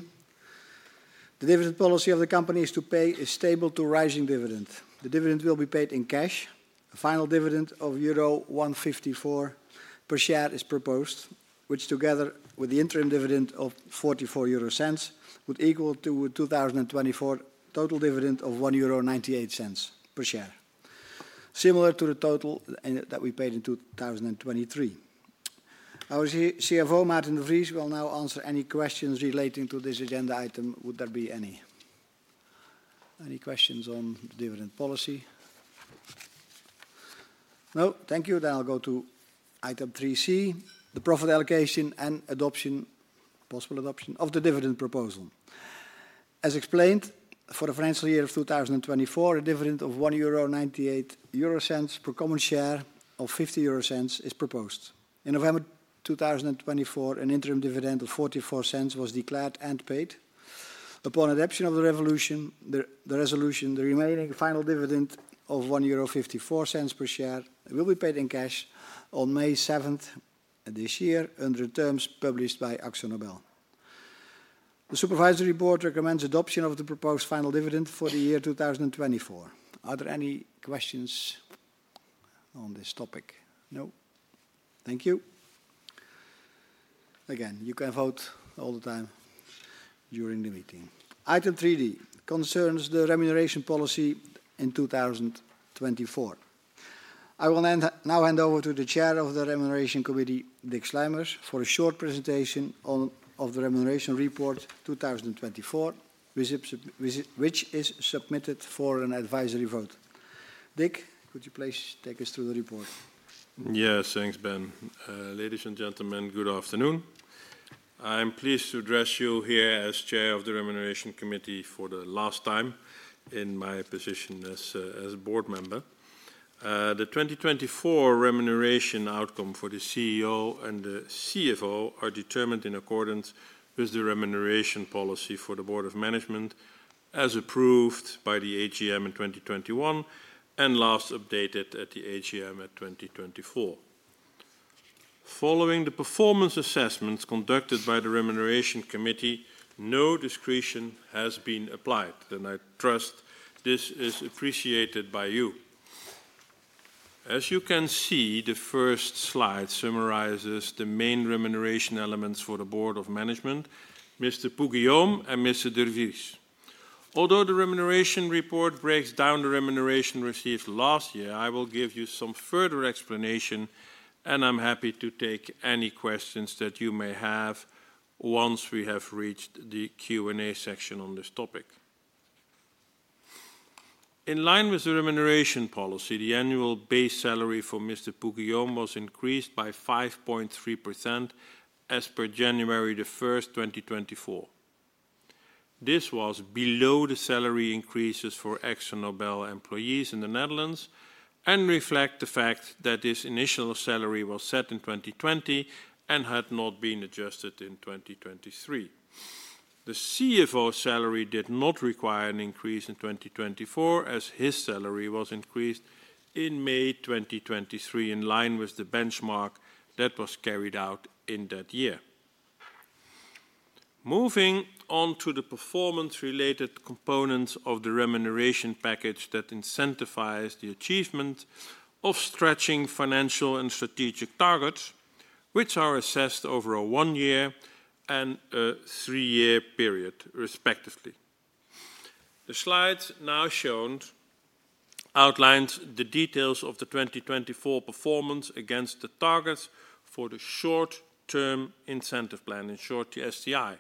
The dividend policy of the company is to pay a stable to rising dividend. The dividend will be paid in cash. A final dividend of euro 1.54 per share is proposed, which together with the interim dividend of 0.44 would equal to a 2024 total dividend of 1.98 euro per share, similar to the total that we paid in 2023. Our CFO, Maarten de Vries, will now answer any questions relating to this agenda item. Would there be any questions on the dividend policy? No? Thank you. I will go to item 3C, the profit allocation and possible adoption of the dividend proposal. As explained, for the financial year of 2024, a dividend of 1.98 euro per common share of 0.50 is proposed. In November 2024, an interim dividend of 0.44 was declared and paid. Upon adoption of the resolution, the remaining final dividend of 1.54 euro per share will be paid in cash on May 7th this year under terms published by AkzoNobel. The Supervisory Board recommends adoption of the proposed final dividend for the year 2024. Are there any questions on this topic? No? Thank you. Again, you can vote all the time during the meeting. Item 3D concerns the remuneration policy in 2024. I will now hand over to the Chair of the Remuneration Committee, Dick Sluimers, for a short presentation of the remuneration report 2024, which is submitted for an advisory vote. Dick, could you please take us through the report?
Yes, thanks, Ben. Ladies and gentlemen, good afternoon. I'm pleased to address you here as Chair of the Remuneration Committee for the last time in my position as a board member. The 2024 remuneration outcome for the CEO and the CFO are determined in accordance with the remuneration policy for the Board of Management as approved by the AGM in 2021 and last updated at the AGM in 2024. Following the performance assessments conducted by the Remuneration Committee, no discretion has been applied, and I trust this is appreciated by you. As you can see, the first slide summarizes the main remuneration elements for the Board of Management, Mr. Poux-Guillaume and Mr. De Vries. Although the remuneration report breaks down the remuneration received last year, I will give you some further explanation, and I'm happy to take any questions that you may have once we have reached the Q&A section on this topic. In line with the remuneration policy, the annual base salary for Mr. Poux-Guillaume was increased by 5.3% as per January 1st, 2024. This was below the salary increases for AkzoNobel employees in the Netherlands and reflects the fact that this initial salary was set in 2020 and had not been adjusted in 2023. The CFO's salary did not require an increase in 2024, as his salary was increased in May 2023 in line with the benchmark that was carried out in that year. Moving on to the performance-related components of the remuneration package that incentivize the achievement of stretching financial and strategic targets, which are assessed over a one-year and a three-year period, respectively. The slides now shown outline the details of the 2024 performance against the targets for the short-term incentive plan, in short, the STI.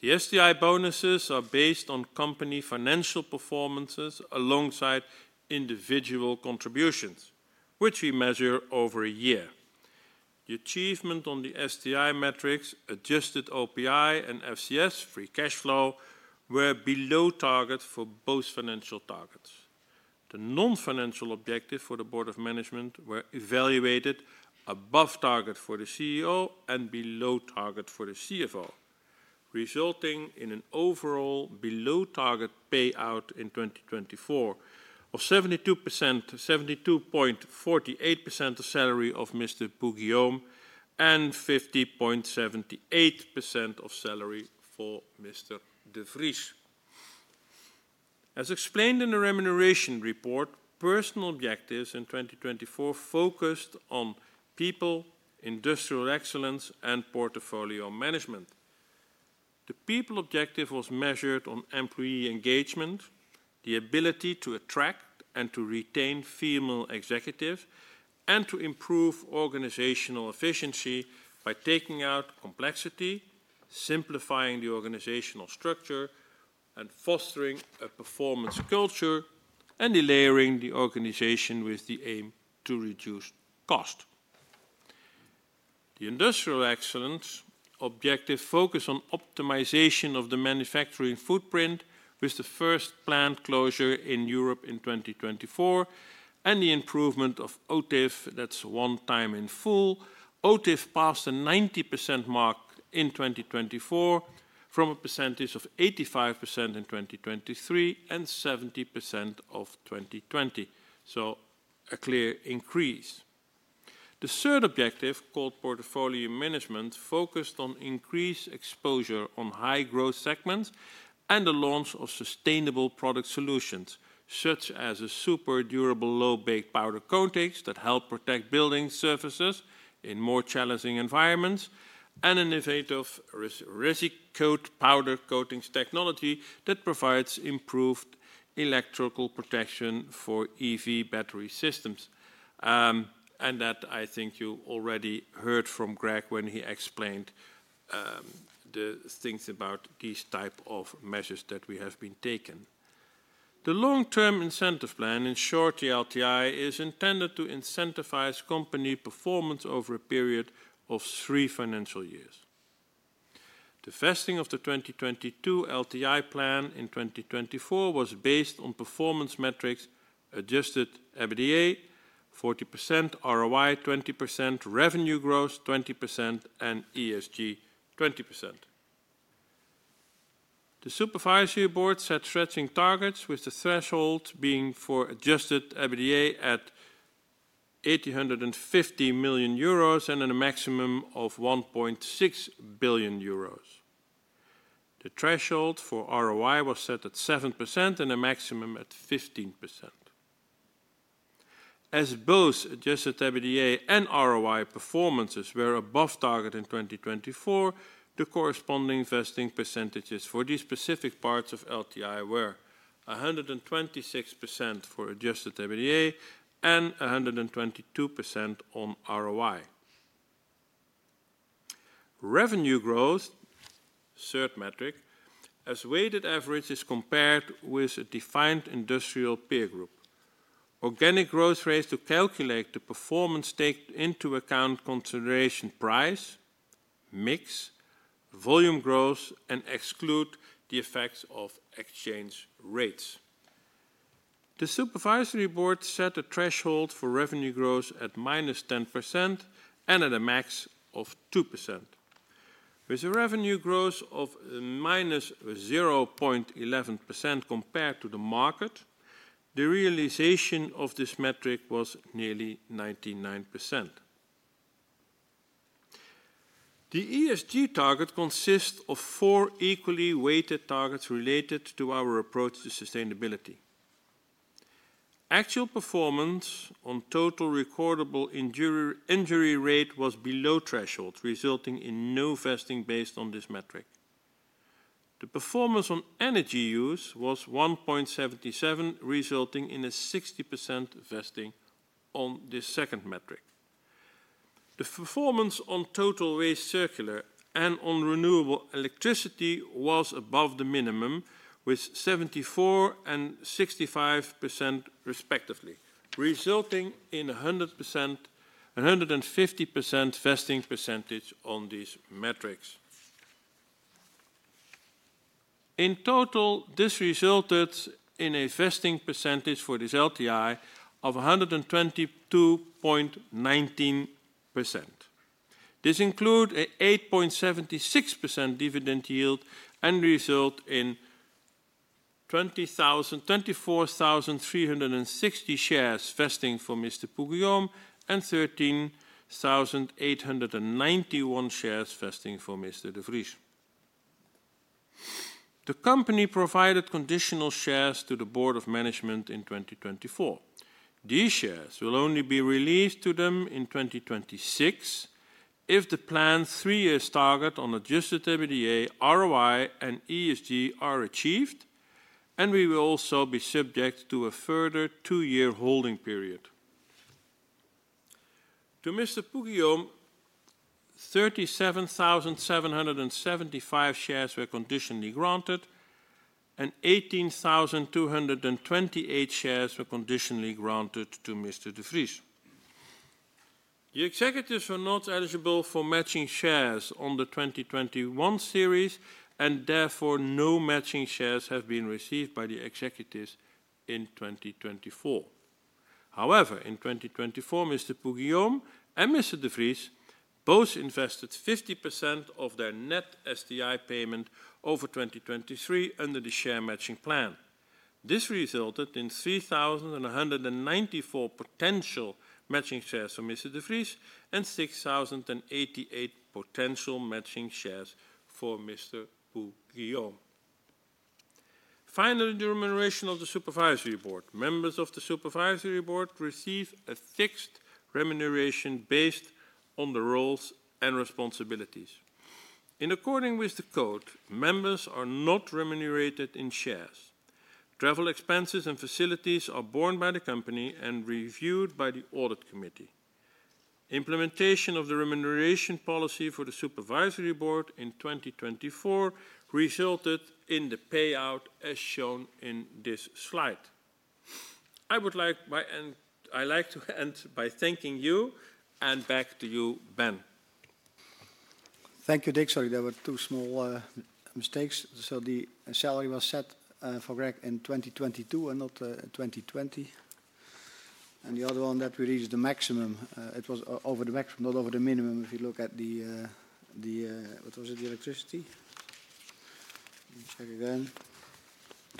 The STI bonuses are based on company financial performances alongside individual contributions, which we measure over a year. The achievement on the STI metrics, adjusted OPI and FCF, free cash flow, were below target for both financial targets. The non-financial objectives for the Board of Management were evaluated above target for the CEO and below target for the CFO, resulting in an overall below target payout in 2024 of 72.48% of salary of Mr. Poux-Guillaume and 50.78% of salary for Mr. de Vries. As explained in the remuneration report, personal objectives in 2024 focused on people, industrial excellence, and portfolio management. The people objective was measured on employee engagement, the ability to attract and to retain female executives, and to improve organizational efficiency by taking out complexity, simplifying the organizational structure, and fostering a performance culture, and delayering the organization with the aim to reduce cost. The industrial excellence objective focused on optimization of the manufacturing footprint with the first plant closure in Europe in 2024 and the improvement of OTIF, that is on time in full. OTIF passed the 90% mark in 2024 from a percentage of 85% in 2023 and 70% in 2020, so a clear increase. The third objective, called portfolio management, focused on increased exposure on high-growth segments and the launch of sustainable product solutions, such as a super durable low-bake powder coatings that help protect building surfaces in more challenging environments and an innovative resin coat powder coatings technology that provides improved electrical protection for EV battery systems. I think you already heard from Greg when he explained the things about these types of measures that we have been taken. The long-term incentive plan, in short, the LTI, is intended to incentivize company performance over a period of three financial years. The vesting of the 2022 LTI plan in 2024 was based on performance metrics, adjusted EBITDA, 40%, ROI, 20%, revenue growth, 20%, and ESG, 20%. The Supervisory Board set stretching targets with the threshold being for adjusted EBITDA at 1.85 billion euros and a maximum of 1.6 billion euros. The threshold for ROI was set at 7% and a maximum at 15%. As both adjusted EBITDA and ROI performances were above target in 2024, the corresponding vesting percentages for these specific parts of LTI were 126% for adjusted EBITDA and 122% on ROI. Revenue growth, third metric, as weighted averages compared with a defined industrial peer group. Organic growth rates to calculate the performance take into account consideration price, mix, volume growth, and exclude the effects of exchange rates. The Supervisory Board set a threshold for revenue growth at -10% and at a max of 2%. With a revenue growth of -0.11% compared to the market, the realization of this metric was nearly 99%. The ESG target consists of four equally weighted targets related to our approach to sustainability. Actual performance on total recordable injury rate was below threshold, resulting in no vesting based on this metric. The performance on energy use was 1.77, resulting in a 60% vesting on this second metric. The performance on total waste circular and on renewable electricity was above the minimum with 74% and 65%, respectively, resulting in a 100%-150% vesting percentage on these metrics. In total, this resulted in a vesting percentage for this LTI of 122.19%. This included an 8.76% dividend yield and resulted in 24,360 shares vesting for Mr. Poux-Guillaume and 13,891 shares vesting for Mr. de Vries. The company provided conditional shares to the Board of Management in 2024. These shares will only be released to them in 2026 if the planned three-year target on adjusted EBITDA, ROI, and ESG are achieved, and we will also be subject to a further two-year holding period. To Mr. Poux-Guillaume, 37,775 shares were conditionally granted, and 18,228 shares were conditionally granted to Mr. de Vries. The executives were not eligible for matching shares on the 2021 series, and therefore, no matching shares have been received by the executives in 2024. However, in 2024, Mr. Poux-Guillaume and Mr. de Vries both invested 50% of their net STI payment over 2023 under the share matching plan. This resulted in 3,194 potential matching shares for Mr. de Vries and 6,088 potential matching shares for Mr. Poux-Guillaume. Finally, the remuneration of the Supervisory Board. Members of the Supervisory Board receive a fixed remuneration based on the roles and responsibilities. In accordance with the code, members are not remunerated in shares. Travel expenses and facilities are borne by the company and reviewed by the Audit Committee. Implementation of the remuneration policy for the Supervisory Board in 2024 resulted in the payout as shown in this slide. I would like to end by thanking you and back to you, Ben.
Thank you, Dick. Sorry, there were two small mistakes. The salary was set for Greg in 2022 and not 2020. The other one, that we reached the maximum, it was over the maximum, not over the minimum. If you look at the, what was it, the electricity? Check again.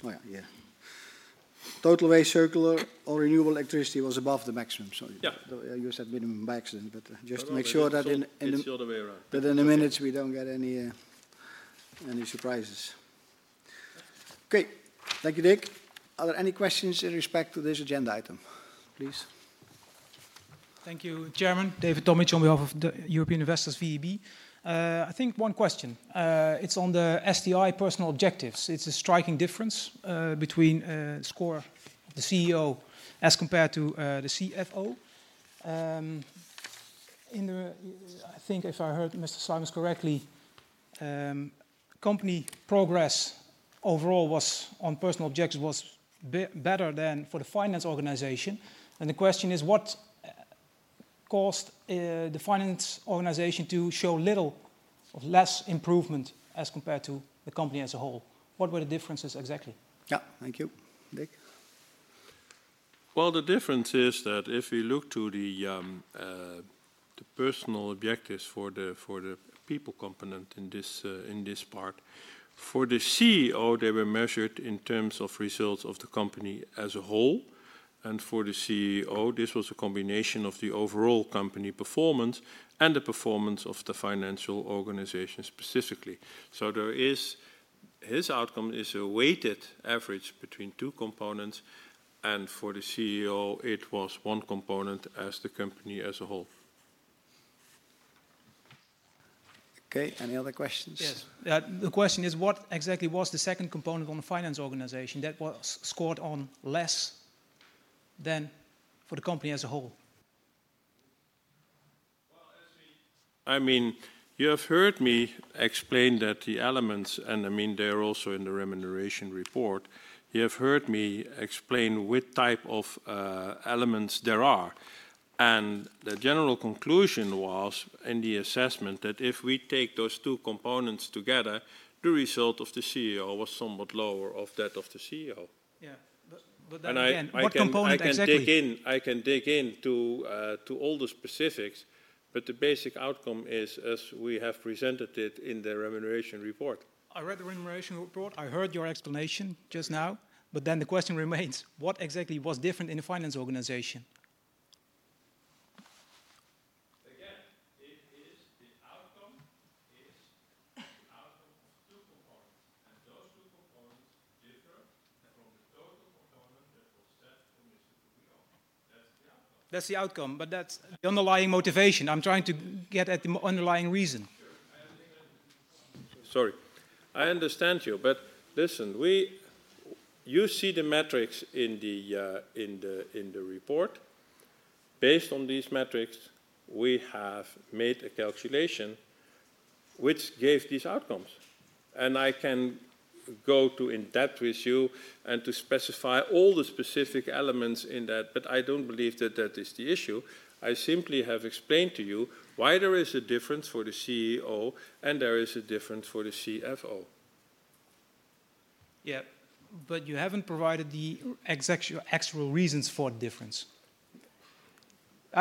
Oh yeah, yeah. Total waste circular or renewable electricity was above the maximum. You said minimum by accident, but just to make sure that in the minutes, we do not get any surprises. Okay, thank you, Dick. Are there any questions in respect to this agenda item? Please.
Thank you, Chairman. David Tomic on behalf of the European Investors VEB. I think one question. It's on the STI personal objectives. It's a striking difference between the score of the CEO as compared to the CFO. I think if I heard Mr. Sluimers correctly, company progress overall was on personal objectives was better than for the finance organization. The question is, what caused the finance organization to show little or less improvement as compared to the company as a whole? What were the differences exactly?
Yeah, thank you, Dick.
The difference is that if we look to the personal objectives for the people component in this part, for the CEO, they were measured in terms of results of the company as a whole. For the CEO, this was a combination of the overall company performance and the performance of the financial organization specifically. His outcome is a weighted average between two components. For the CEO, it was one component as the company as a whole.
Okay, any other questions?
Yes. The question is, what exactly was the second component on the finance organization that was scored on less than for the company as a whole?
As we, I mean, you have heard me explain that the elements, and I mean, they are also in the remuneration report. You have heard me explain which type of elements there are. The general conclusion was in the assessment that if we take those two components together, the result of the CEO was somewhat lower of that of the CEO.
Yeah, but then again, what component exactly?
I can dig in to all the specifics, but the basic outcome is as we have presented it in the remuneration report.
I read the remuneration report. I heard your explanation just now, but then the question remains, what exactly was different in the finance organization?
Again, it is the outcome of two components, and those two components differ from the total component that was set for Mr. Poux-Guillaume. That is the outcome.
That's the outcome, but that's the underlying motivation. I'm trying to get at the underlying reason.
Sorry, I understand you, but listen, you see the metrics in the report. Based on these metrics, we have made a calculation which gave these outcomes. I can go in depth with you and specify all the specific elements in that, but I don't believe that is the issue. I simply have explained to you why there is a difference for the CEO and there is a difference for the CFO.
Yeah, but you haven't provided the actual reasons for the difference.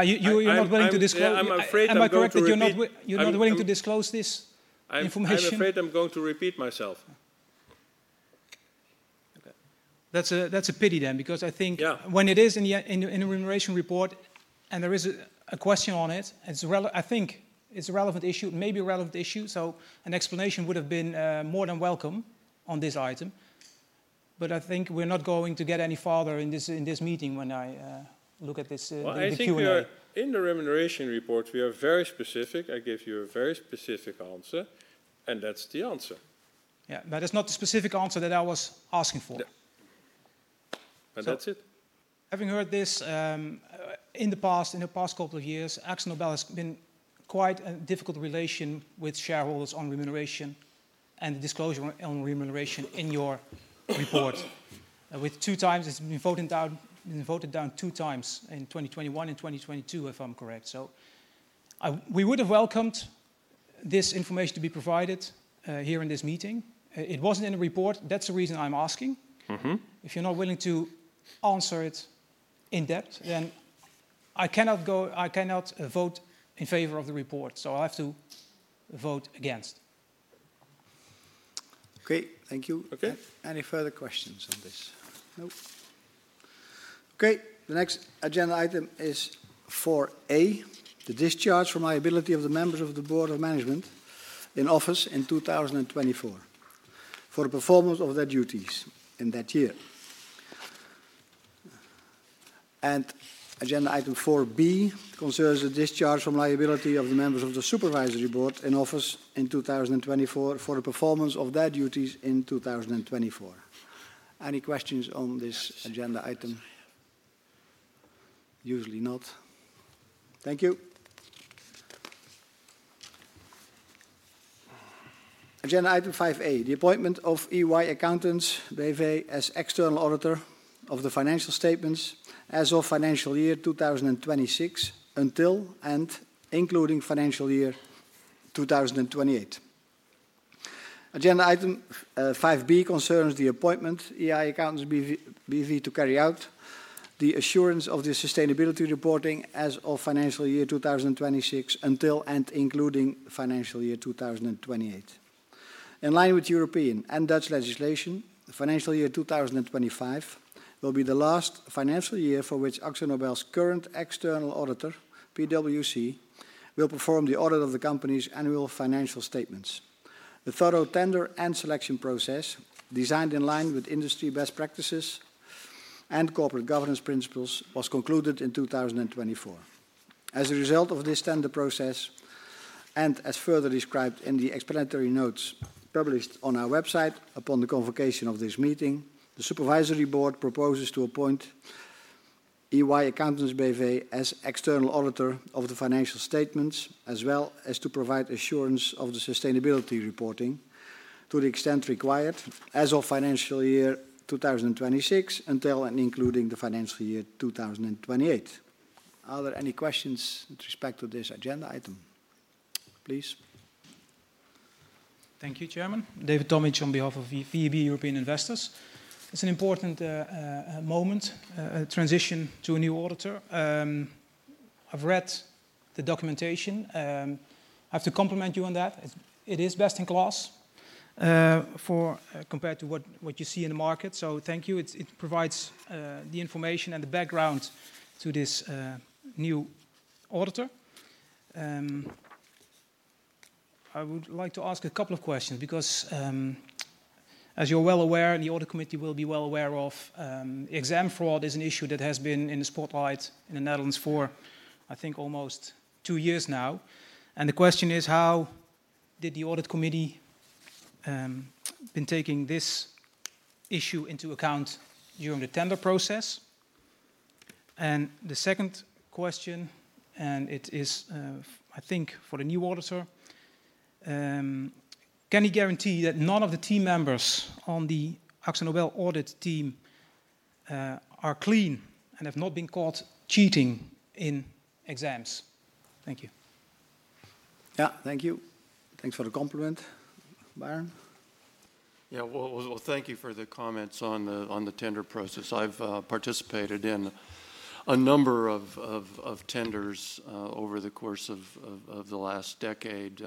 You're not willing to disclose? Am I correct that you're not willing to disclose this information?
I'm afraid I'm going to repeat myself.
Okay. That's a pity then, because I think when it is in the remuneration report and there is a question on it, I think it's a relevant issue, maybe a relevant issue. An explanation would have been more than welcome on this item. I think we're not going to get any farther in this meeting when I look at this in the Q&A.
In the remuneration report, we are very specific. I gave you a very specific answer, and that's the answer.
Yeah, but it's not the specific answer that I was asking for.
Yeah, that's it.
Having heard this in the past, in the past couple of years, AkzoNobel has been quite a difficult relation with shareholders on remuneration and the disclosure on remuneration in your report. With two times, it's been voted down two times in 2021 and 2022, if I'm correct. We would have welcomed this information to be provided here in this meeting. It was not in the report. That is the reason I'm asking. If you're not willing to answer it in depth, then I cannot vote in favor of the report. I will have to vote against.
Okay, thank you. Any further questions on this? No. Okay, the next agenda item is 4A, the discharge from liability of the members of the Board of Management in office in 2024 for the performance of their duties in that year. Agenda item 4B concerns the discharge from liability of the members of the Supervisory Board in office in 2024 for the performance of their duties in 2024. Any questions on this agenda item? Usually not. Thank you. Agenda item 5A, the appointment of EY Accountants BV as external auditor of the financial statements as of financial year 2026 until and including financial year 2028. Agenda item 5B concerns the appointment of EY Accountants BV to carry out the assurance of the sustainability reporting as of financial year 2026 until and including financial year 2028. In line with European and Dutch legislation, the financial year 2025 will be the last financial year for which AkzoNobel's current external auditor, PwC, will perform the audit of the company's annual financial statements. The thorough tender and selection process designed in line with industry best practices and corporate governance principles was concluded in 2024. As a result of this tender process, and as further described in the explanatory notes published on our website upon the convocation of this meeting, the Supervisory Board proposes to appoint EY Accountants BV as external auditor of the financial statements, as well as to provide assurance of the sustainability reporting to the extent required as of financial year 2026 until and including the financial year 2028. Are there any questions with respect to this agenda item? Please.
Thank you, Chairman. David Tomic on behalf of VEB European Investors. It's an important moment, a transition to a new auditor. I've read the documentation. I have to compliment you on that. It is best in class compared to what you see in the market. Thank you. It provides the information and the background to this new auditor. I would like to ask a couple of questions because, as you're well aware, and the audit committee will be well aware of, exam fraud is an issue that has been in the spotlight in the Netherlands for, I think, almost two years now. The question is, how did the audit committee have been taking this issue into account during the tender process? The second question, and it is, I think, for the new auditor, can you guarantee that none of the team members on the AkzoNobel audit team are clean and have not been caught cheating in exams? Thank you.
Yeah, thank you. Thanks for the compliment, Byron.
Yeah, thank you for the comments on the tender process. I've participated in a number of tenders over the course of the last decade,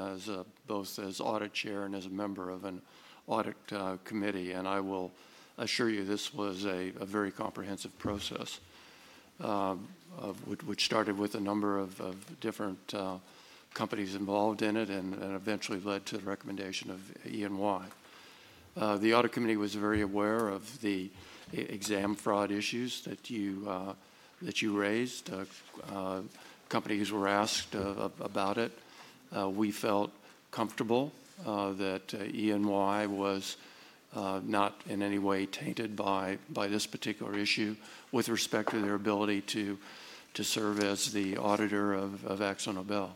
both as Audit Chair and as a member of an audit committee. I will assure you this was a very comprehensive process, which started with a number of different companies involved in it and eventually led to the recommendation of EY. The audit committee was very aware of the exam fraud issues that you raised. Companies were asked about it. We felt comfortable that EY was not in any way tainted by this particular issue with respect to their ability to serve as the auditor of AkzoNobel.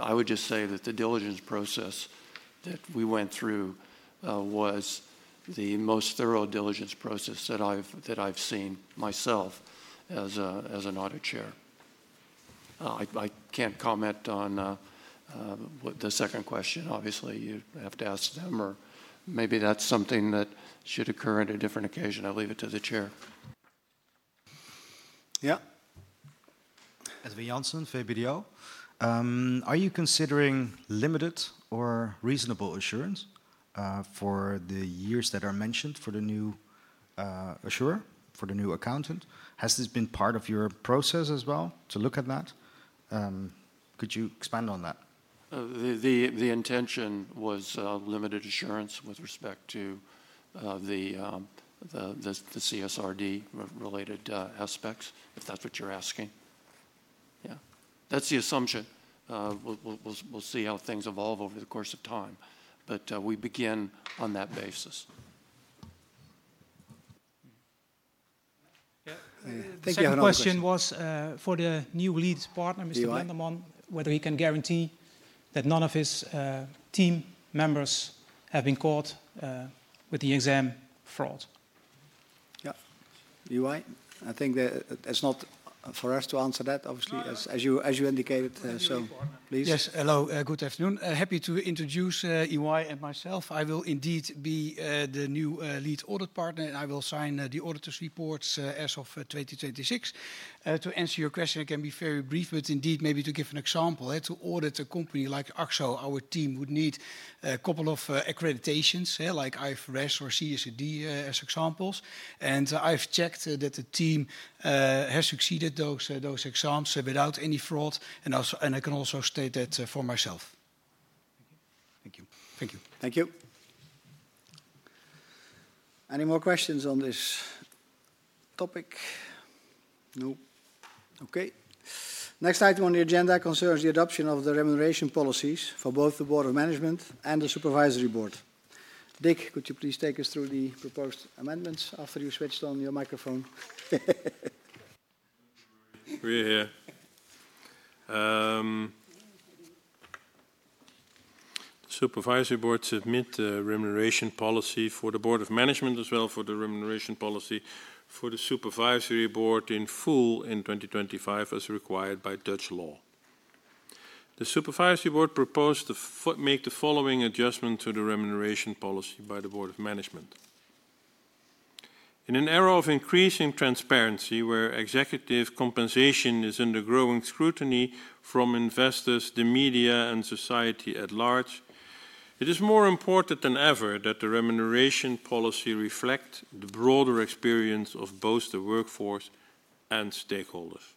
I would just say that the diligence process that we went through was the most thorough diligence process that I've seen myself as Audit Chair. I can't comment on the second question. Obviously, you have to ask them, or maybe that's something that should occur at a different occasion. I'll leave it to the Chair.
Yeah. As Vianson, Fabio? Are you considering limited or reasonable assurance for the years that are mentioned for the new assurer, for the new accountant? Has this been part of your process as well to look at that? Could you expand on that?
The intention was limited assurance with respect to the CSRD-related aspects, if that's what you're asking. Yeah, that's the assumption. We'll see how things evolve over the course of time, but we begin on that basis.
Yeah, the second question was for the new lead partner, Mr. van Armeiden, whether he can guarantee that none of his team members have been caught with the exam fraud.
Yeah, EY? I think that it's not for us to answer that, obviously, as you indicated, so please. Yes, hello, good afternoon. Happy to introduce EY and myself. I will indeed be the new lead audit partner, and I will sign the auditor's reports as of 2026. To answer your question, I can be very brief, but indeed, maybe to give an example, to audit a company like AkzoNobel, our team would need a couple of accreditations, like IFRS or CSRD as examples. I have checked that the team has succeeded those exams without any fraud, and I can also state that for myself.
Thank you. Thank you. Thank you.
Any more questions on this topic? No. Okay. Next item on the agenda concerns the adoption of the remuneration policies for both the Board of Management and the Supervisory Board. Dick, could you please take us through the proposed amendments after you switched on your microphone?
We're here. The Supervisory Board submits the remuneration policy for the Board of Management as well as for the remuneration policy for the Supervisory Board in full in 2025 as required by Dutch law. The Supervisory Board proposed to make the following adjustment to the remuneration policy by the Board of Management. In an era of increasing transparency where executive compensation is under growing scrutiny from investors, the media, and society at large, it is more important than ever that the remuneration policy reflects the broader experience of both the workforce and stakeholders.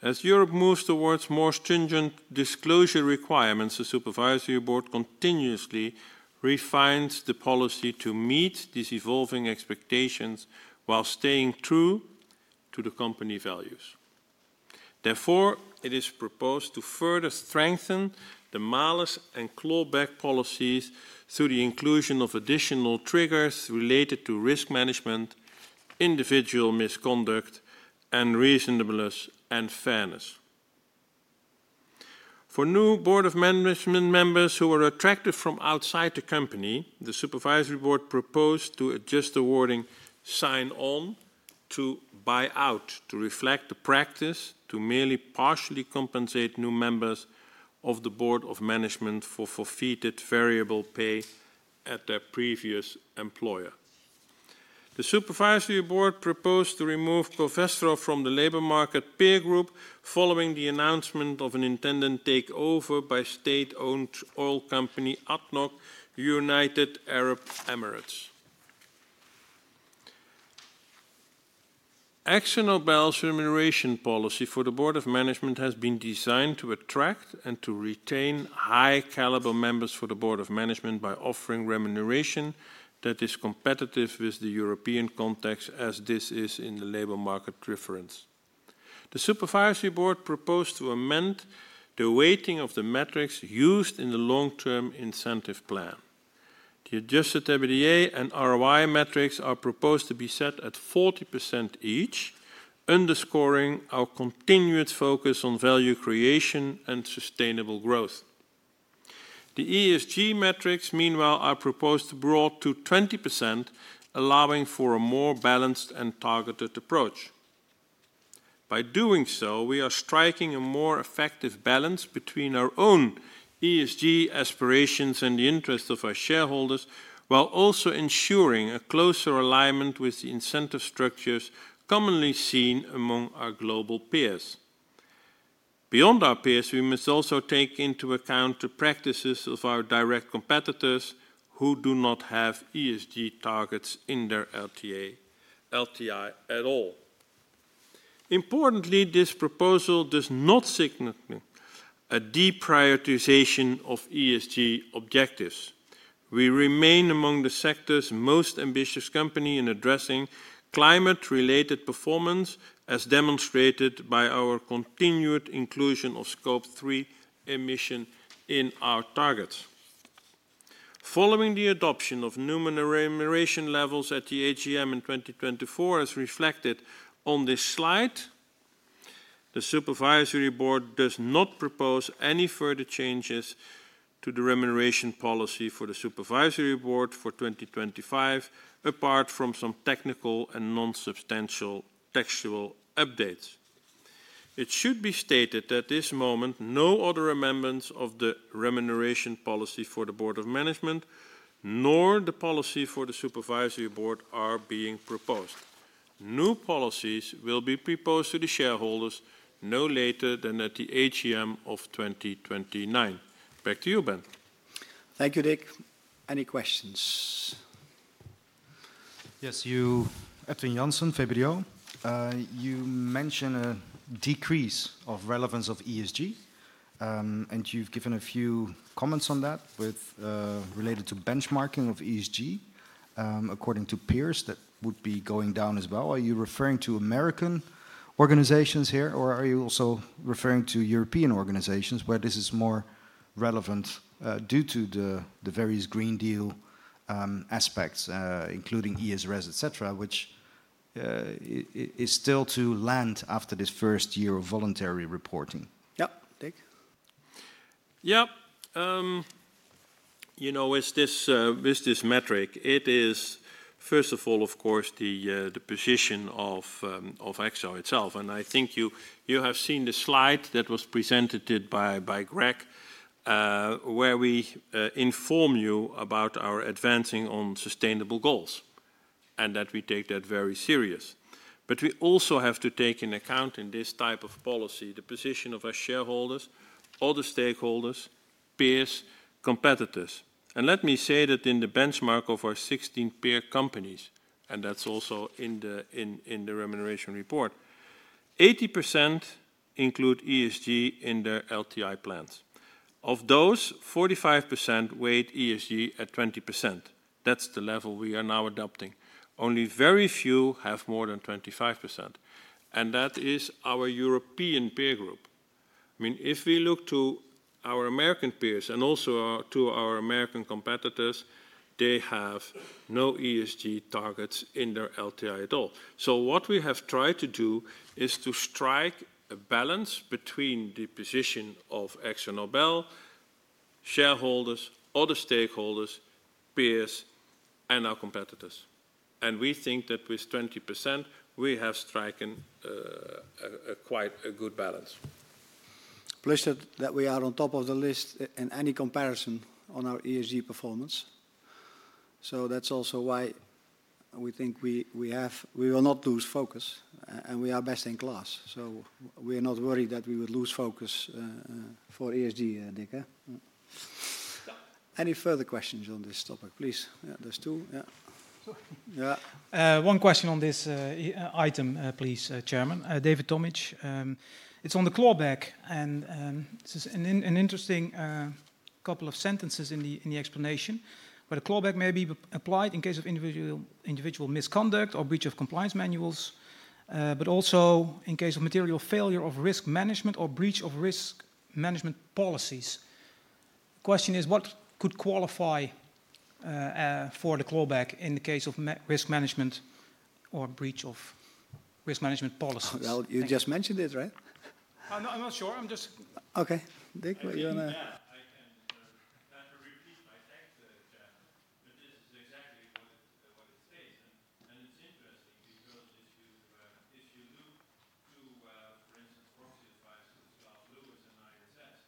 As Europe moves towards more stringent disclosure requirements, the Supervisory Board continuously refines the policy to meet these evolving expectations while staying true to the company values. Therefore, it is proposed to further strengthen the malice and clawback policies through the inclusion of additional triggers related to risk management, individual misconduct, and reasonableness and fairness. For new Board of Management members who are attracted from outside the company, the Supervisory Board proposed to adjust the wording "sign on" to "buy out" to reflect the practice to merely partially compensate new members of the Board of Management for forfeited variable pay at their previous employer. The Supervisory Board proposed to remove Covestro from the labor market peer group following the announcement of an intended takeover by state-owned oil company Adnoc, United Arab Emirates. AkzoNobel's remuneration policy for the Board of Management has been designed to attract and to retain high-caliber members for the Board of Management by offering remuneration that is competitive with the European context as this is in the labor market preference. The Supervisory Board proposed to amend the weighting of the metrics used in the long-term incentive plan. The adjusted EBITDA and ROI metrics are proposed to be set at 40% each, underscoring our continued focus on value creation and sustainable growth. The ESG metrics, meanwhile, are proposed to be brought to 20%, allowing for a more balanced and targeted approach. By doing so, we are striking a more effective balance between our own ESG aspirations and the interests of our shareholders, while also ensuring a closer alignment with the incentive structures commonly seen among our global peers. Beyond our peers, we must also take into account the practices of our direct competitors who do not have ESG targets in their LTI at all. Importantly, this proposal does not signal a deprioritization of ESG objectives. We remain among the sector's most ambitious companies in addressing climate-related performance, as demonstrated by our continued inclusion of Scope 3 emission in our targets. Following the adoption of new remuneration levels at the AGM in 2024, as reflected on this slide, the Supervisory Board does not propose any further changes to the remuneration policy for the Supervisory Board for 2025, apart from some technical and non-substantial textual updates. It should be stated at this moment no other amendments of the remuneration policy for the Board of Management, nor the policy for the Supervisory Board, are being proposed. New policies will be proposed to the shareholders no later than at the AGM of 2029. Back to you, Ben.
Thank you, Dick. Any questions?
Yes, you, Edwin Janssen, Fabio. You mentioned a decrease of relevance of ESG, and you've given a few comments on that related to benchmarking of ESG. According to peers, that would be going down as well. Are you referring to American organizations here, or are you also referring to European organizations where this is more relevant due to the various Green Deal aspects, including ESRS, etc., which is still to land after this first year of voluntary reporting?
Yeah, Dick?
Yeah. You know, with this metric, it is, first of all, of course, the position of AkzoNobel itself. I think you have seen the slide that was presented by Greg, where we inform you about our advancing on sustainable goals and that we take that very serious. We also have to take into account in this type of policy the position of our shareholders, all the stakeholders, peers, competitors. Let me say that in the benchmark of our 16 peer companies, and that's also in the remuneration report, 80% include ESG in their LTI plans. Of those, 45% weight ESG at 20%. That's the level we are now adopting. Only very few have more than 25%. That is our European peer group. I mean, if we look to our American peers and also to our American competitors, they have no ESG targets in their LTI at all. What we have tried to do is to strike a balance between the position of AkzoNobel, shareholders, other stakeholders, peers, and our competitors. We think that with 20%, we have struck quite a good balance.
Appreciate that we are on top of the list in any comparison on our ESG performance. That is also why we think we will not lose focus, and we are best in class. We are not worried that we would lose focus for ESG, Dick. Any further questions on this topic? Please. There are two. Yeah.
One question on this item, please, Chairman. David Tomic. It's on the clawback, and it's an interesting couple of sentences in the explanation, where the clawback may be applied in case of individual misconduct or breach of compliance manuals, but also in case of material failure of risk management or breach of risk management policies. The question is, what could qualify for the clawback in the case of risk management or breach of risk management policies? You just mentioned it, right?
I'm not sure. I'm just.
Okay. Dick, you want to.
Yeah, I can repeat my take, Chairman. This is exactly what it states. It's interesting because if you look to, for instance, proxy advisors like Giles Lewis and ISS,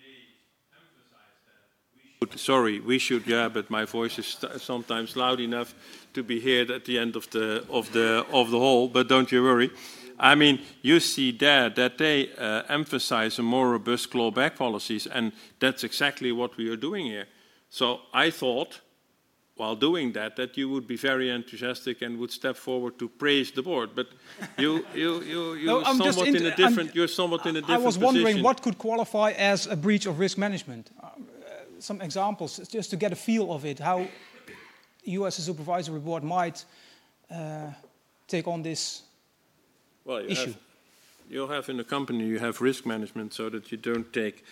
they emphasize that we should. Sorry, we should, yeah, but my voice is sometimes loud enough to be heard at the end of the hall. Do not worry. I mean, you see there that they emphasize more robust clawback policies, and that is exactly what we are doing here. I thought, while doing that, that you would be very enthusiastic and would step forward to praise the board. You are somewhat in a different.
I was wondering what could qualify as a breach of risk management. Some examples, just to get a feel of it, how you as a Supervisory Board might take on this issue.
You have in a company, you have risk management so that you do not take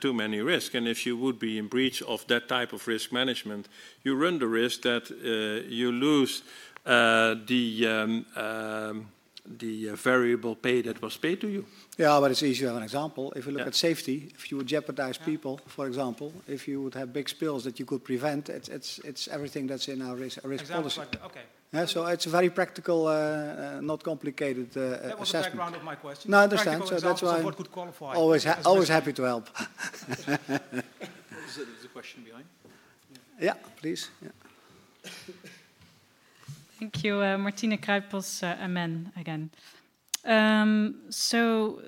too many risks. If you would be in breach of that type of risk management, you run the risk that you lose the variable pay that was paid to you.
Yeah, but it's easier as an example. If you look at safety, if you would jeopardize people, for example, if you would have big spills that you could prevent, it's everything that's in our risk policy. It is a very practical, not complicated assessment.
That was the background of my question.
I understand. That is why I am always happy to help. Is there a question behind? Yeah, please. Yeah.
Thank you. Martina Kruijtbeld, MN again.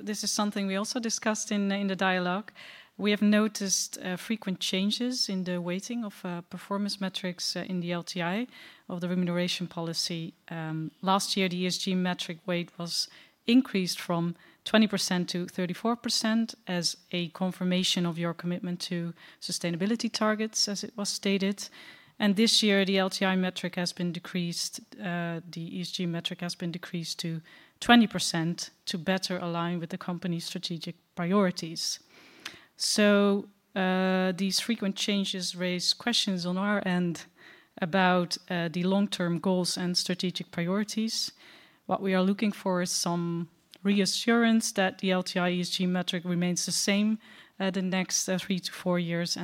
This is something we also discussed in the dialogue. We have noticed frequent changes in the weighting of performance metrics in the LTI of the remuneration policy. Last year, the ESG metric weight was increased from 20% -34% as a confirmation of your commitment to sustainability targets, as it was stated. This year, the LTI metric has been decreased. The ESG metric has been decreased to 20% to better align with the company's strategic priorities. These frequent changes raise questions on our end about the long-term goals and strategic priorities. What we are looking for is some reassurance that the LTI ESG metric remains the same the next three to four years.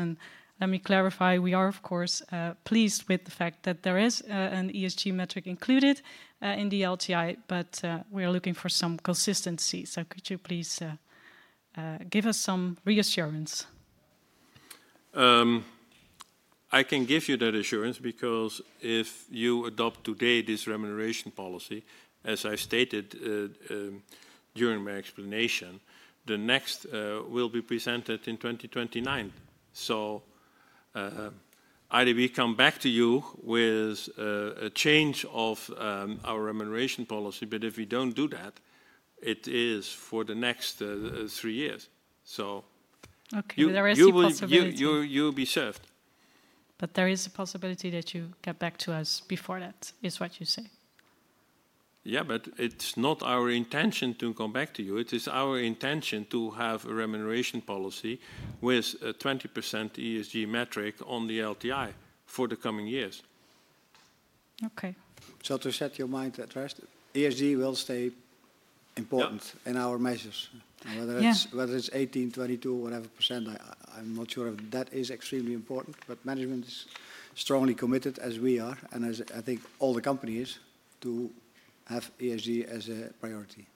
Let me clarify, we are, of course, pleased with the fact that there is an ESG metric included in the LTI, but we are looking for some consistency. Could you please give us some reassurance?
I can give you that assurance because if you adopt today this remuneration policy, as I stated during my explanation, the next will be presented in 2029. Either we come back to you with a change of our remuneration policy, but if we do not do that, it is for the next three years.
Okay. There is the possibility.
You will be served.
There is the possibility that you get back to us before that, is what you say.
Yeah, but it's not our intention to come back to you. It is our intention to have a remuneration policy with a 20% ESG metric on the LTI for the coming years.
Okay.
To set your mind at rest, ESG will stay important in our measures. Whether it's 18%, 22%, whatever %, I'm not sure if that is extremely important, but management is strongly committed, as we are, and as I think all the company is, to have ESG as a priority.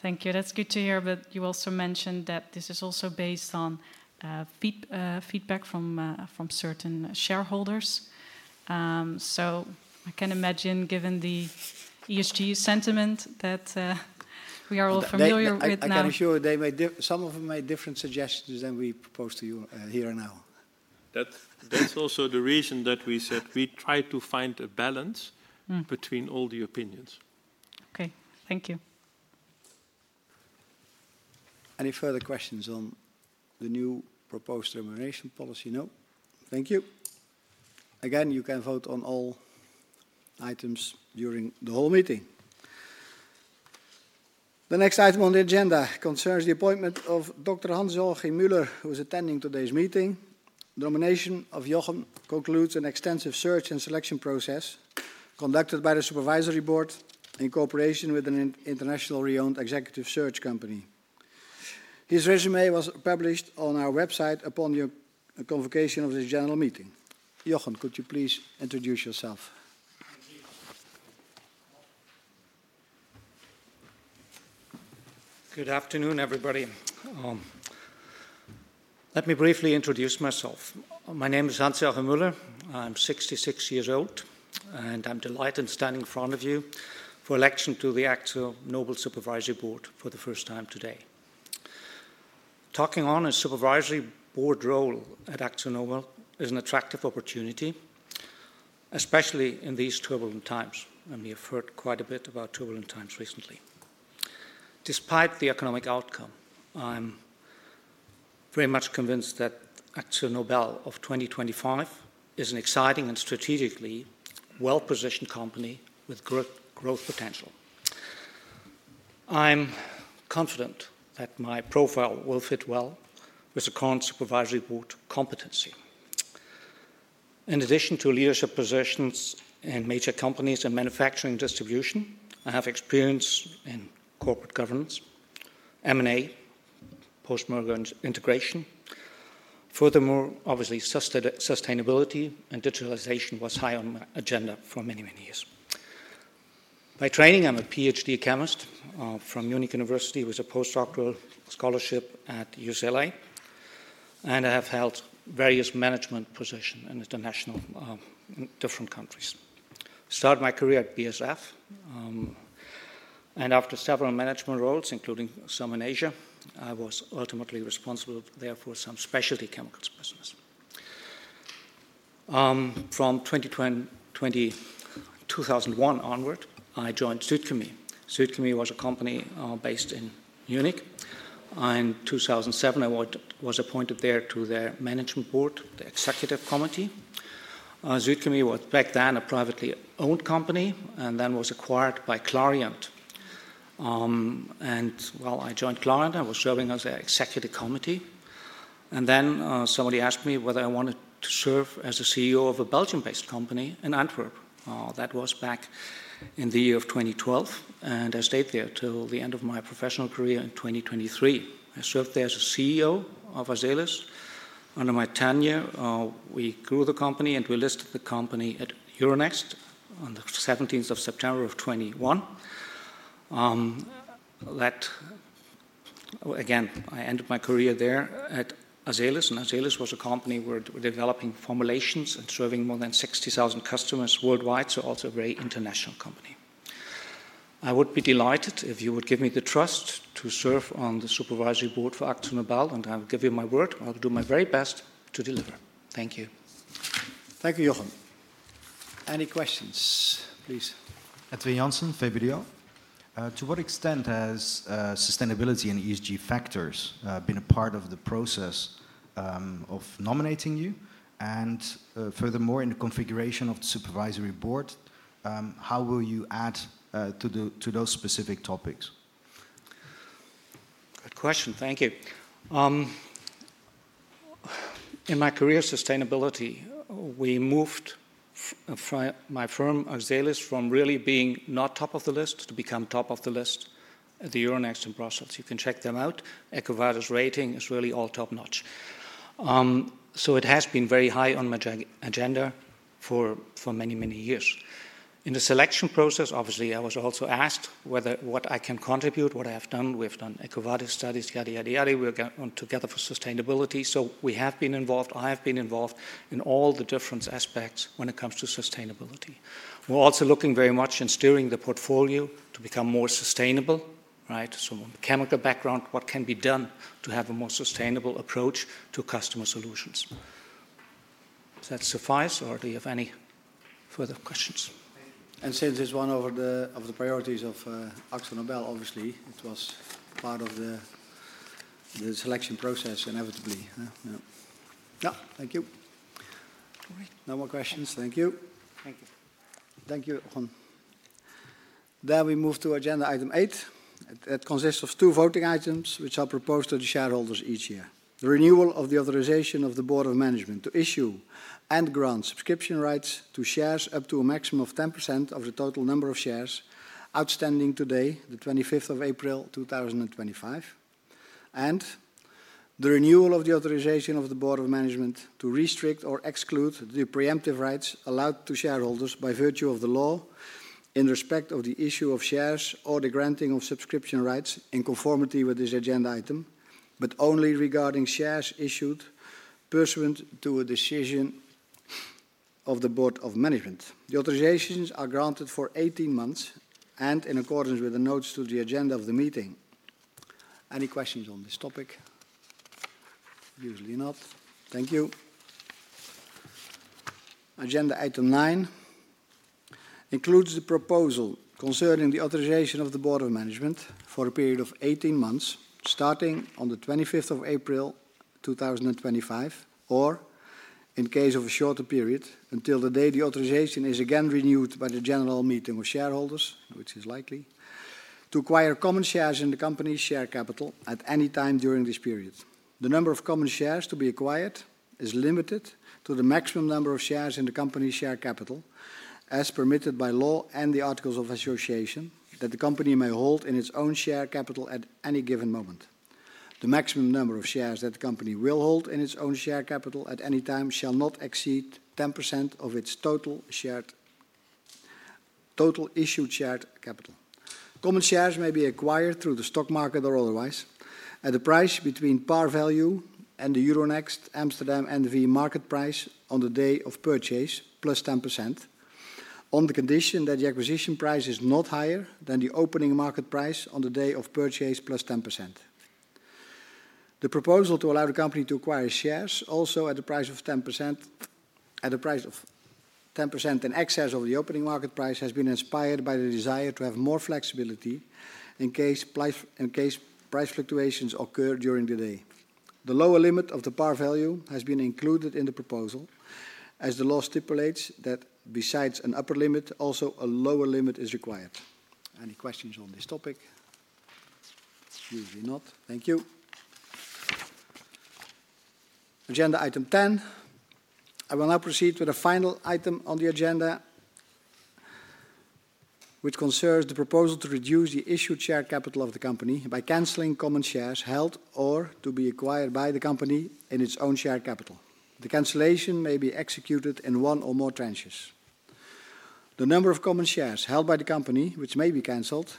Thank you. That's good to hear. You also mentioned that this is also based on feedback from certain shareholders. I can imagine, given the ESG sentiment that we are all familiar with now.
I can assure you some of them made different suggestions than we propose to you here and now.
That's also the reason that we said we try to find a balance between all the opinions.
Okay. Thank you.
Any further questions on the new proposed remuneration policy? No. Thank you. Again, you can vote on all items during the whole meeting. The next item on the agenda concerns the appointment of Dr. Hans-Joachim Müller, who is attending today's meeting. The nomination of Jochen concludes an extensive search and selection process conducted by the Supervisory Board in cooperation with an internationally owned executive search company. His resume was published on our website upon the convocation of this general meeting. Jochen, could you please introduce yourself?
Good afternoon, everybody. Let me briefly introduce myself. My name is Hans-Joachim Müller. I'm 66 years old, and I'm delighted standing in front of you for election to the AkzoNobel Supervisory Board for the first time today. Taking on a Supervisory Board role at AkzoNobel is an attractive opportunity, especially in these turbulent times. I mean, you've heard quite a bit about turbulent times recently. Despite the economic outcome, I'm very much convinced that AkzoNobel of 2025 is an exciting and strategically well-positioned company with growth potential. I'm confident that my profile will fit well with the current Supervisory Board competency. In addition to leadership positions in major companies and manufacturing distribution, I have experience in corporate governance, M&A, post-merger integration. Furthermore, obviously, sustainability and digitalization was high on my agenda for many, many years. By training, I'm a PhD chemist from Munich University with a postdoctoral scholarship at UCLA, and I have held various management positions in international different countries. I started my career at BASF, and after several management roles, including some in Asia, I was ultimately responsible there for some specialty chemicals business. From 2001 onward, I joined Zutkimi. Zutkimi was a company based in Munich. In 2007, I was appointed there to their management board, the executive committee. Zutkimi was back then a privately owned company and then was acquired by Clariant. While I joined Clariant, I was serving as an executive committee. Somebody asked me whether I wanted to serve as a CEO of a Belgian-based company in Antwerp. That was back in the year of 2012, and I stayed there till the end of my professional career in 2023. I served there as CEO of Azelis. Under my tenure, we grew the company, and we listed the company at Euronext on the 17th of September of 2021. Again, I ended my career there at Azelis, and Azelis was a company where we were developing formulations and serving more than 60,000 customers worldwide, also a very international company. I would be delighted if you would give me the trust to serve on the Supervisory Board for AkzoNobel, and I will give you my word. I will do my very best to deliver. Thank you.
Thank you, Jochen. Any questions, please?
Adrian Janssen, Fabio Rio. To what extent has sustainability and ESG factors been a part of the process of nominating you? Furthermore, in the configuration of the Supervisory Board, how will you add to those specific topics?
Good question. Thank you. In my career of sustainability, we moved my firm, Azelis, from really being not top of the list to become top of the list at the Euronext in Brussels. You can check them out. EcoVadis rating is really all top-notch. It has been very high on my agenda for many, many years. In the selection process, obviously, I was also asked what I can contribute, what I have done. We have done EcoVadis studies, yadda yadda yadda. We are together for sustainability. We have been involved. I have been involved in all the different aspects when it comes to sustainability. We are also looking very much in steering the portfolio to become more sustainable, right? Chemical background, what can be done to have a more sustainable approach to customer solutions. Does that suffice, or do you have any further questions?
Since it's one of the priorities of AkzoNobel, obviously, it was part of the selection process, inevitably. Yeah. Thank you. No more questions. Thank you. Thank you, Jochen. We move to agenda item eight. It consists of two voting items which are proposed to the shareholders each year. The renewal of the authorization of the Board of Management to issue and grant subscription rights to shares up to a maximum of 10% of the total number of shares outstanding today, the 25th of April 2025. The renewal of the authorization of the Board of Management to restrict or exclude the preemptive rights allowed to shareholders by virtue of the law in respect of the issue of shares or the granting of subscription rights in conformity with this agenda item, but only regarding shares issued pursuant to a decision of the Board of Management. The authorizations are granted for 18 months and in accordance with the notes to the agenda of the meeting. Any questions on this topic? Usually not. Thank you. Agenda item nine includes the proposal concerning the authorization of the Board of Management for a period of 18 months starting on the 25th of April 2025, or in case of a shorter period until the day the authorization is again renewed by the general meeting of shareholders, which is likely to acquire common shares in the company's share capital at any time during this period. The number of common shares to be acquired is limited to the maximum number of shares in the company's share capital as permitted by law and the articles of association that the company may hold in its own share capital at any given moment. The maximum number of shares that the company will hold in its own share capital at any time shall not exceed 10% of its total issued share capital. Common shares may be acquired through the stock market or otherwise at a price between par value and the Euronext Amsterdam NV market price on the day of purchase plus 10% on the condition that the acquisition price is not higher than the opening market price on the day of purchase plus 10%. The proposal to allow the company to acquire shares also at a price of 10% in excess of the opening market price has been inspired by the desire to have more flexibility in case price fluctuations occur during the day. The lower limit of the par value has been included in the proposal as the law stipulates that besides an upper limit, also a lower limit is required. Any questions on this topic? Usually not. Thank you. Agenda item 10. I will now proceed with a final item on the agenda which concerns the proposal to reduce the issued share capital of the company by canceling common shares held or to be acquired by the company in its own share capital. The cancellation may be executed in one or more tranches. The number of common shares held by the company, which may be canceled,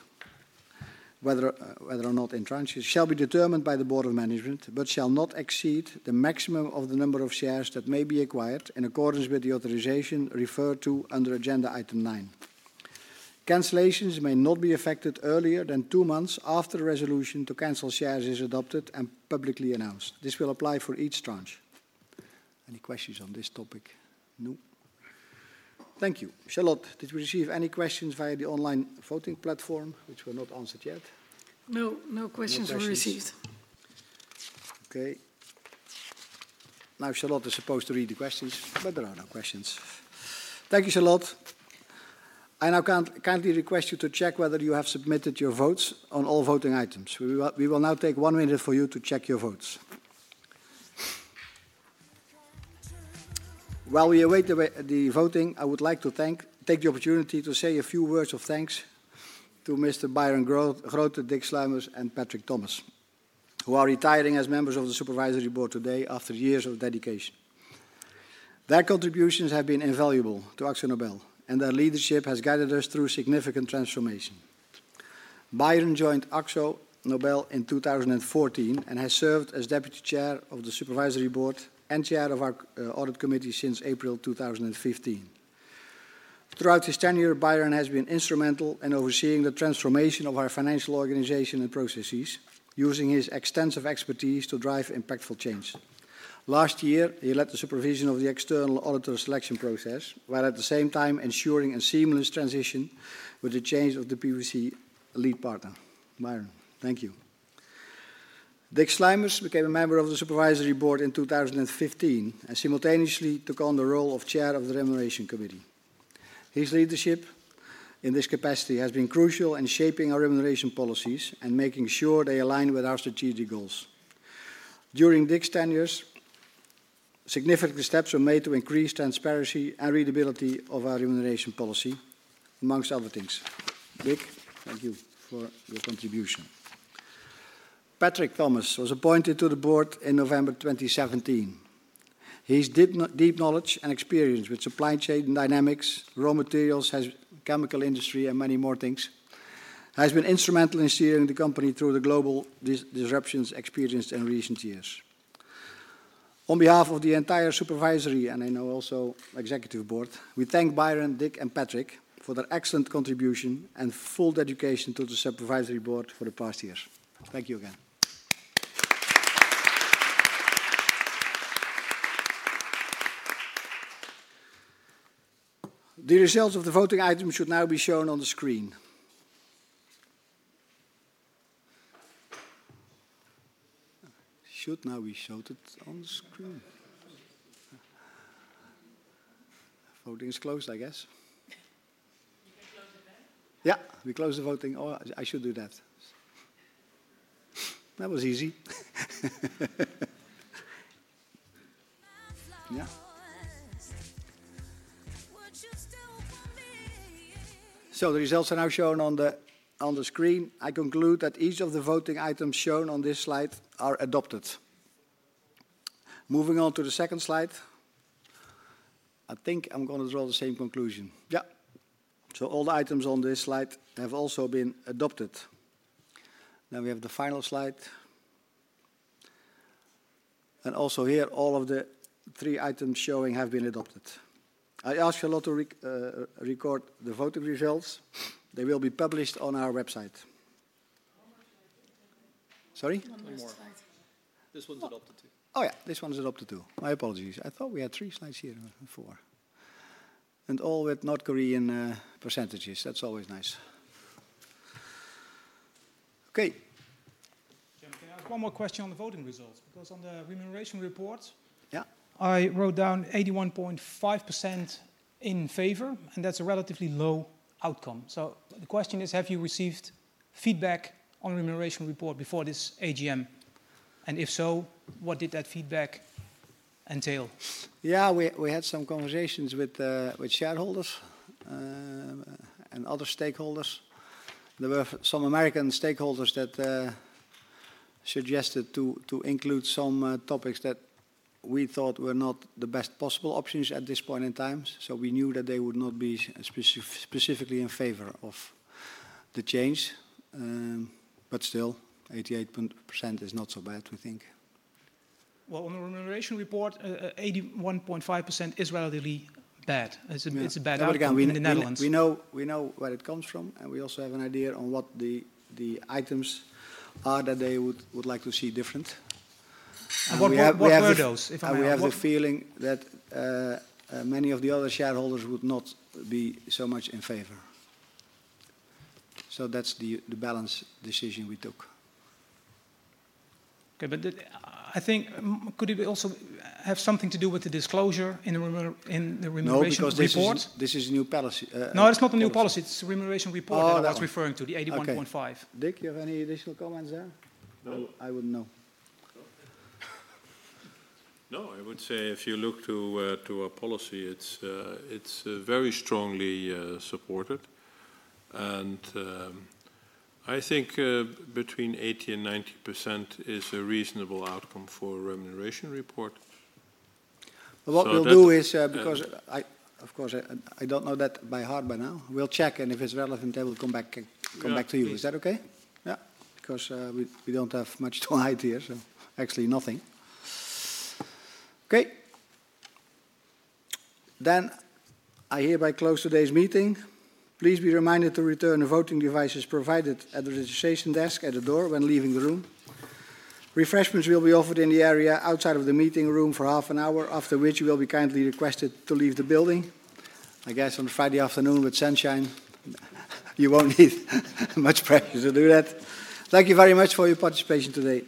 whether or not in tranches, shall be determined by the board of management but shall not exceed the maximum of the number of shares that may be acquired in accordance with the authorization referred to under agenda item nine. Cancellations may not be effected earlier than two months after resolution to cancel shares is adopted and publicly announced. This will apply for each tranche. Any questions on this topic? No. Thank you. Charlotte, did we receive any questions via the online voting platform, which were not answered yet?
No, no questions were received.
Okay. Now, Charlotte is supposed to read the questions, but there are no questions. Thank you, Charlotte. I now kindly request you to check whether you have submitted your votes on all voting items. We will now take one minute for you to check your votes. While we await the voting, I would like to take the opportunity to say a few words of thanks to Mr. Byron Grote, Dick Sluimers, and Patrick Thomas, who are retiring as members of the Supervisory Board today after years of dedication. Their contributions have been invaluable to AkzoNobel, and their leadership has guided us through significant transformation. Byron joined AkzoNobel in 2014 and has served as Deputy Chair of the Supervisory Board and Chair of our Audit Committee since April 2015. Throughout his tenure, Byron has been instrumental in overseeing the transformation of our financial organization and processes, using his extensive expertise to drive impactful change. Last year, he led the supervision of the external auditor selection process while at the same time ensuring a seamless transition with the change of the PwC lead partner. Byron, thank you. Dick Sluimers became a member of the Supervisory Board in 2015 and simultaneously took on the role of Chair of the Remuneration Committee. His leadership in this capacity has been crucial in shaping our remuneration policies and making sure they align with our strategic goals. During Dick's tenure, significant steps were made to increase transparency and readability of our remuneration policy, amongst other things. Dick, thank you for your contribution. Patrick Thomas was appointed to the board in November 2017. His deep knowledge and experience with supply chain dynamics, raw materials, chemical industry, and many more things has been instrumental in steering the company through the global disruptions experienced in recent years. On behalf of the entire Supervisory and I know also Executive Board, we thank Byron, Dick, and Patrick for their excellent contribution and full dedication to the Supervisory Board for the past year. Thank you again. The results of the voting items should now be shown on the screen. Voting is closed, I guess. You can close it then. Yeah, we close the voting. Oh, I should do that. That was easy. The results are now shown on the screen. I conclude that each of the voting items shown on this slide are adopted. Moving on to the second slide, I think I'm going to draw the same conclusion. Yeah. All the items on this slide have also been adopted. Now we have the final slide. Also here, all of the three items showing have been adopted. I asked Charlotte to record the voting results. They will be published on our website. Sorry? One more slide. This one's adopted too. Oh yeah, this one's adopted too. My apologies. I thought we had three slides here and four. And all with North Korean percentages. That's always nice. Okay. Can I ask one more question on the voting results? Because on the remuneration report, I wrote down 81.5% in favor, and that's a relatively low outcome. The question is, have you received feedback on the remuneration report before this AGM? If so, what did that feedback entail? Yeah, we had some conversations with shareholders and other stakeholders. There were some American stakeholders that suggested to include some topics that we thought were not the best possible options at this point in time. We knew that they would not be specifically in favor of the change. Still, 88% is not so bad, we think. On the remuneration report, 81.5% is relatively bad. It's a bad outcome in the Netherlands. We know where it comes from, and we also have an idea on what the items are that they would like to see different. What were those? We have the feeling that many of the other shareholders would not be so much in favor. That is the balance decision we took. Okay, I think, could it also have something to do with the disclosure in the remuneration report? No, because this is a new policy. No, it's not a new policy. It's the remuneration report that I was referring to, the 81.5%. Dick, do you have any additional comments there? I wouldn't know.
No, I would say if you look to our policy, it's very strongly supported. I think between 80% and 90% is a reasonable outcome for a remuneration report.
What we'll do is, because of course, I don't know that by heart by now, we'll check, and if it's relevant, I will come back to you. Is that okay? Yeah, because we don't have much to hide here, so actually nothing. Okay. I hereby close today's meeting. Please be reminded to return the voting devices provided at the registration desk at the door when leaving the room. Refreshments will be offered in the area outside of the meeting room for half an hour, after which you will be kindly requested to leave the building. I guess on Friday afternoon with sunshine, you won't need much pressure to do that. Thank you very much for your participation today.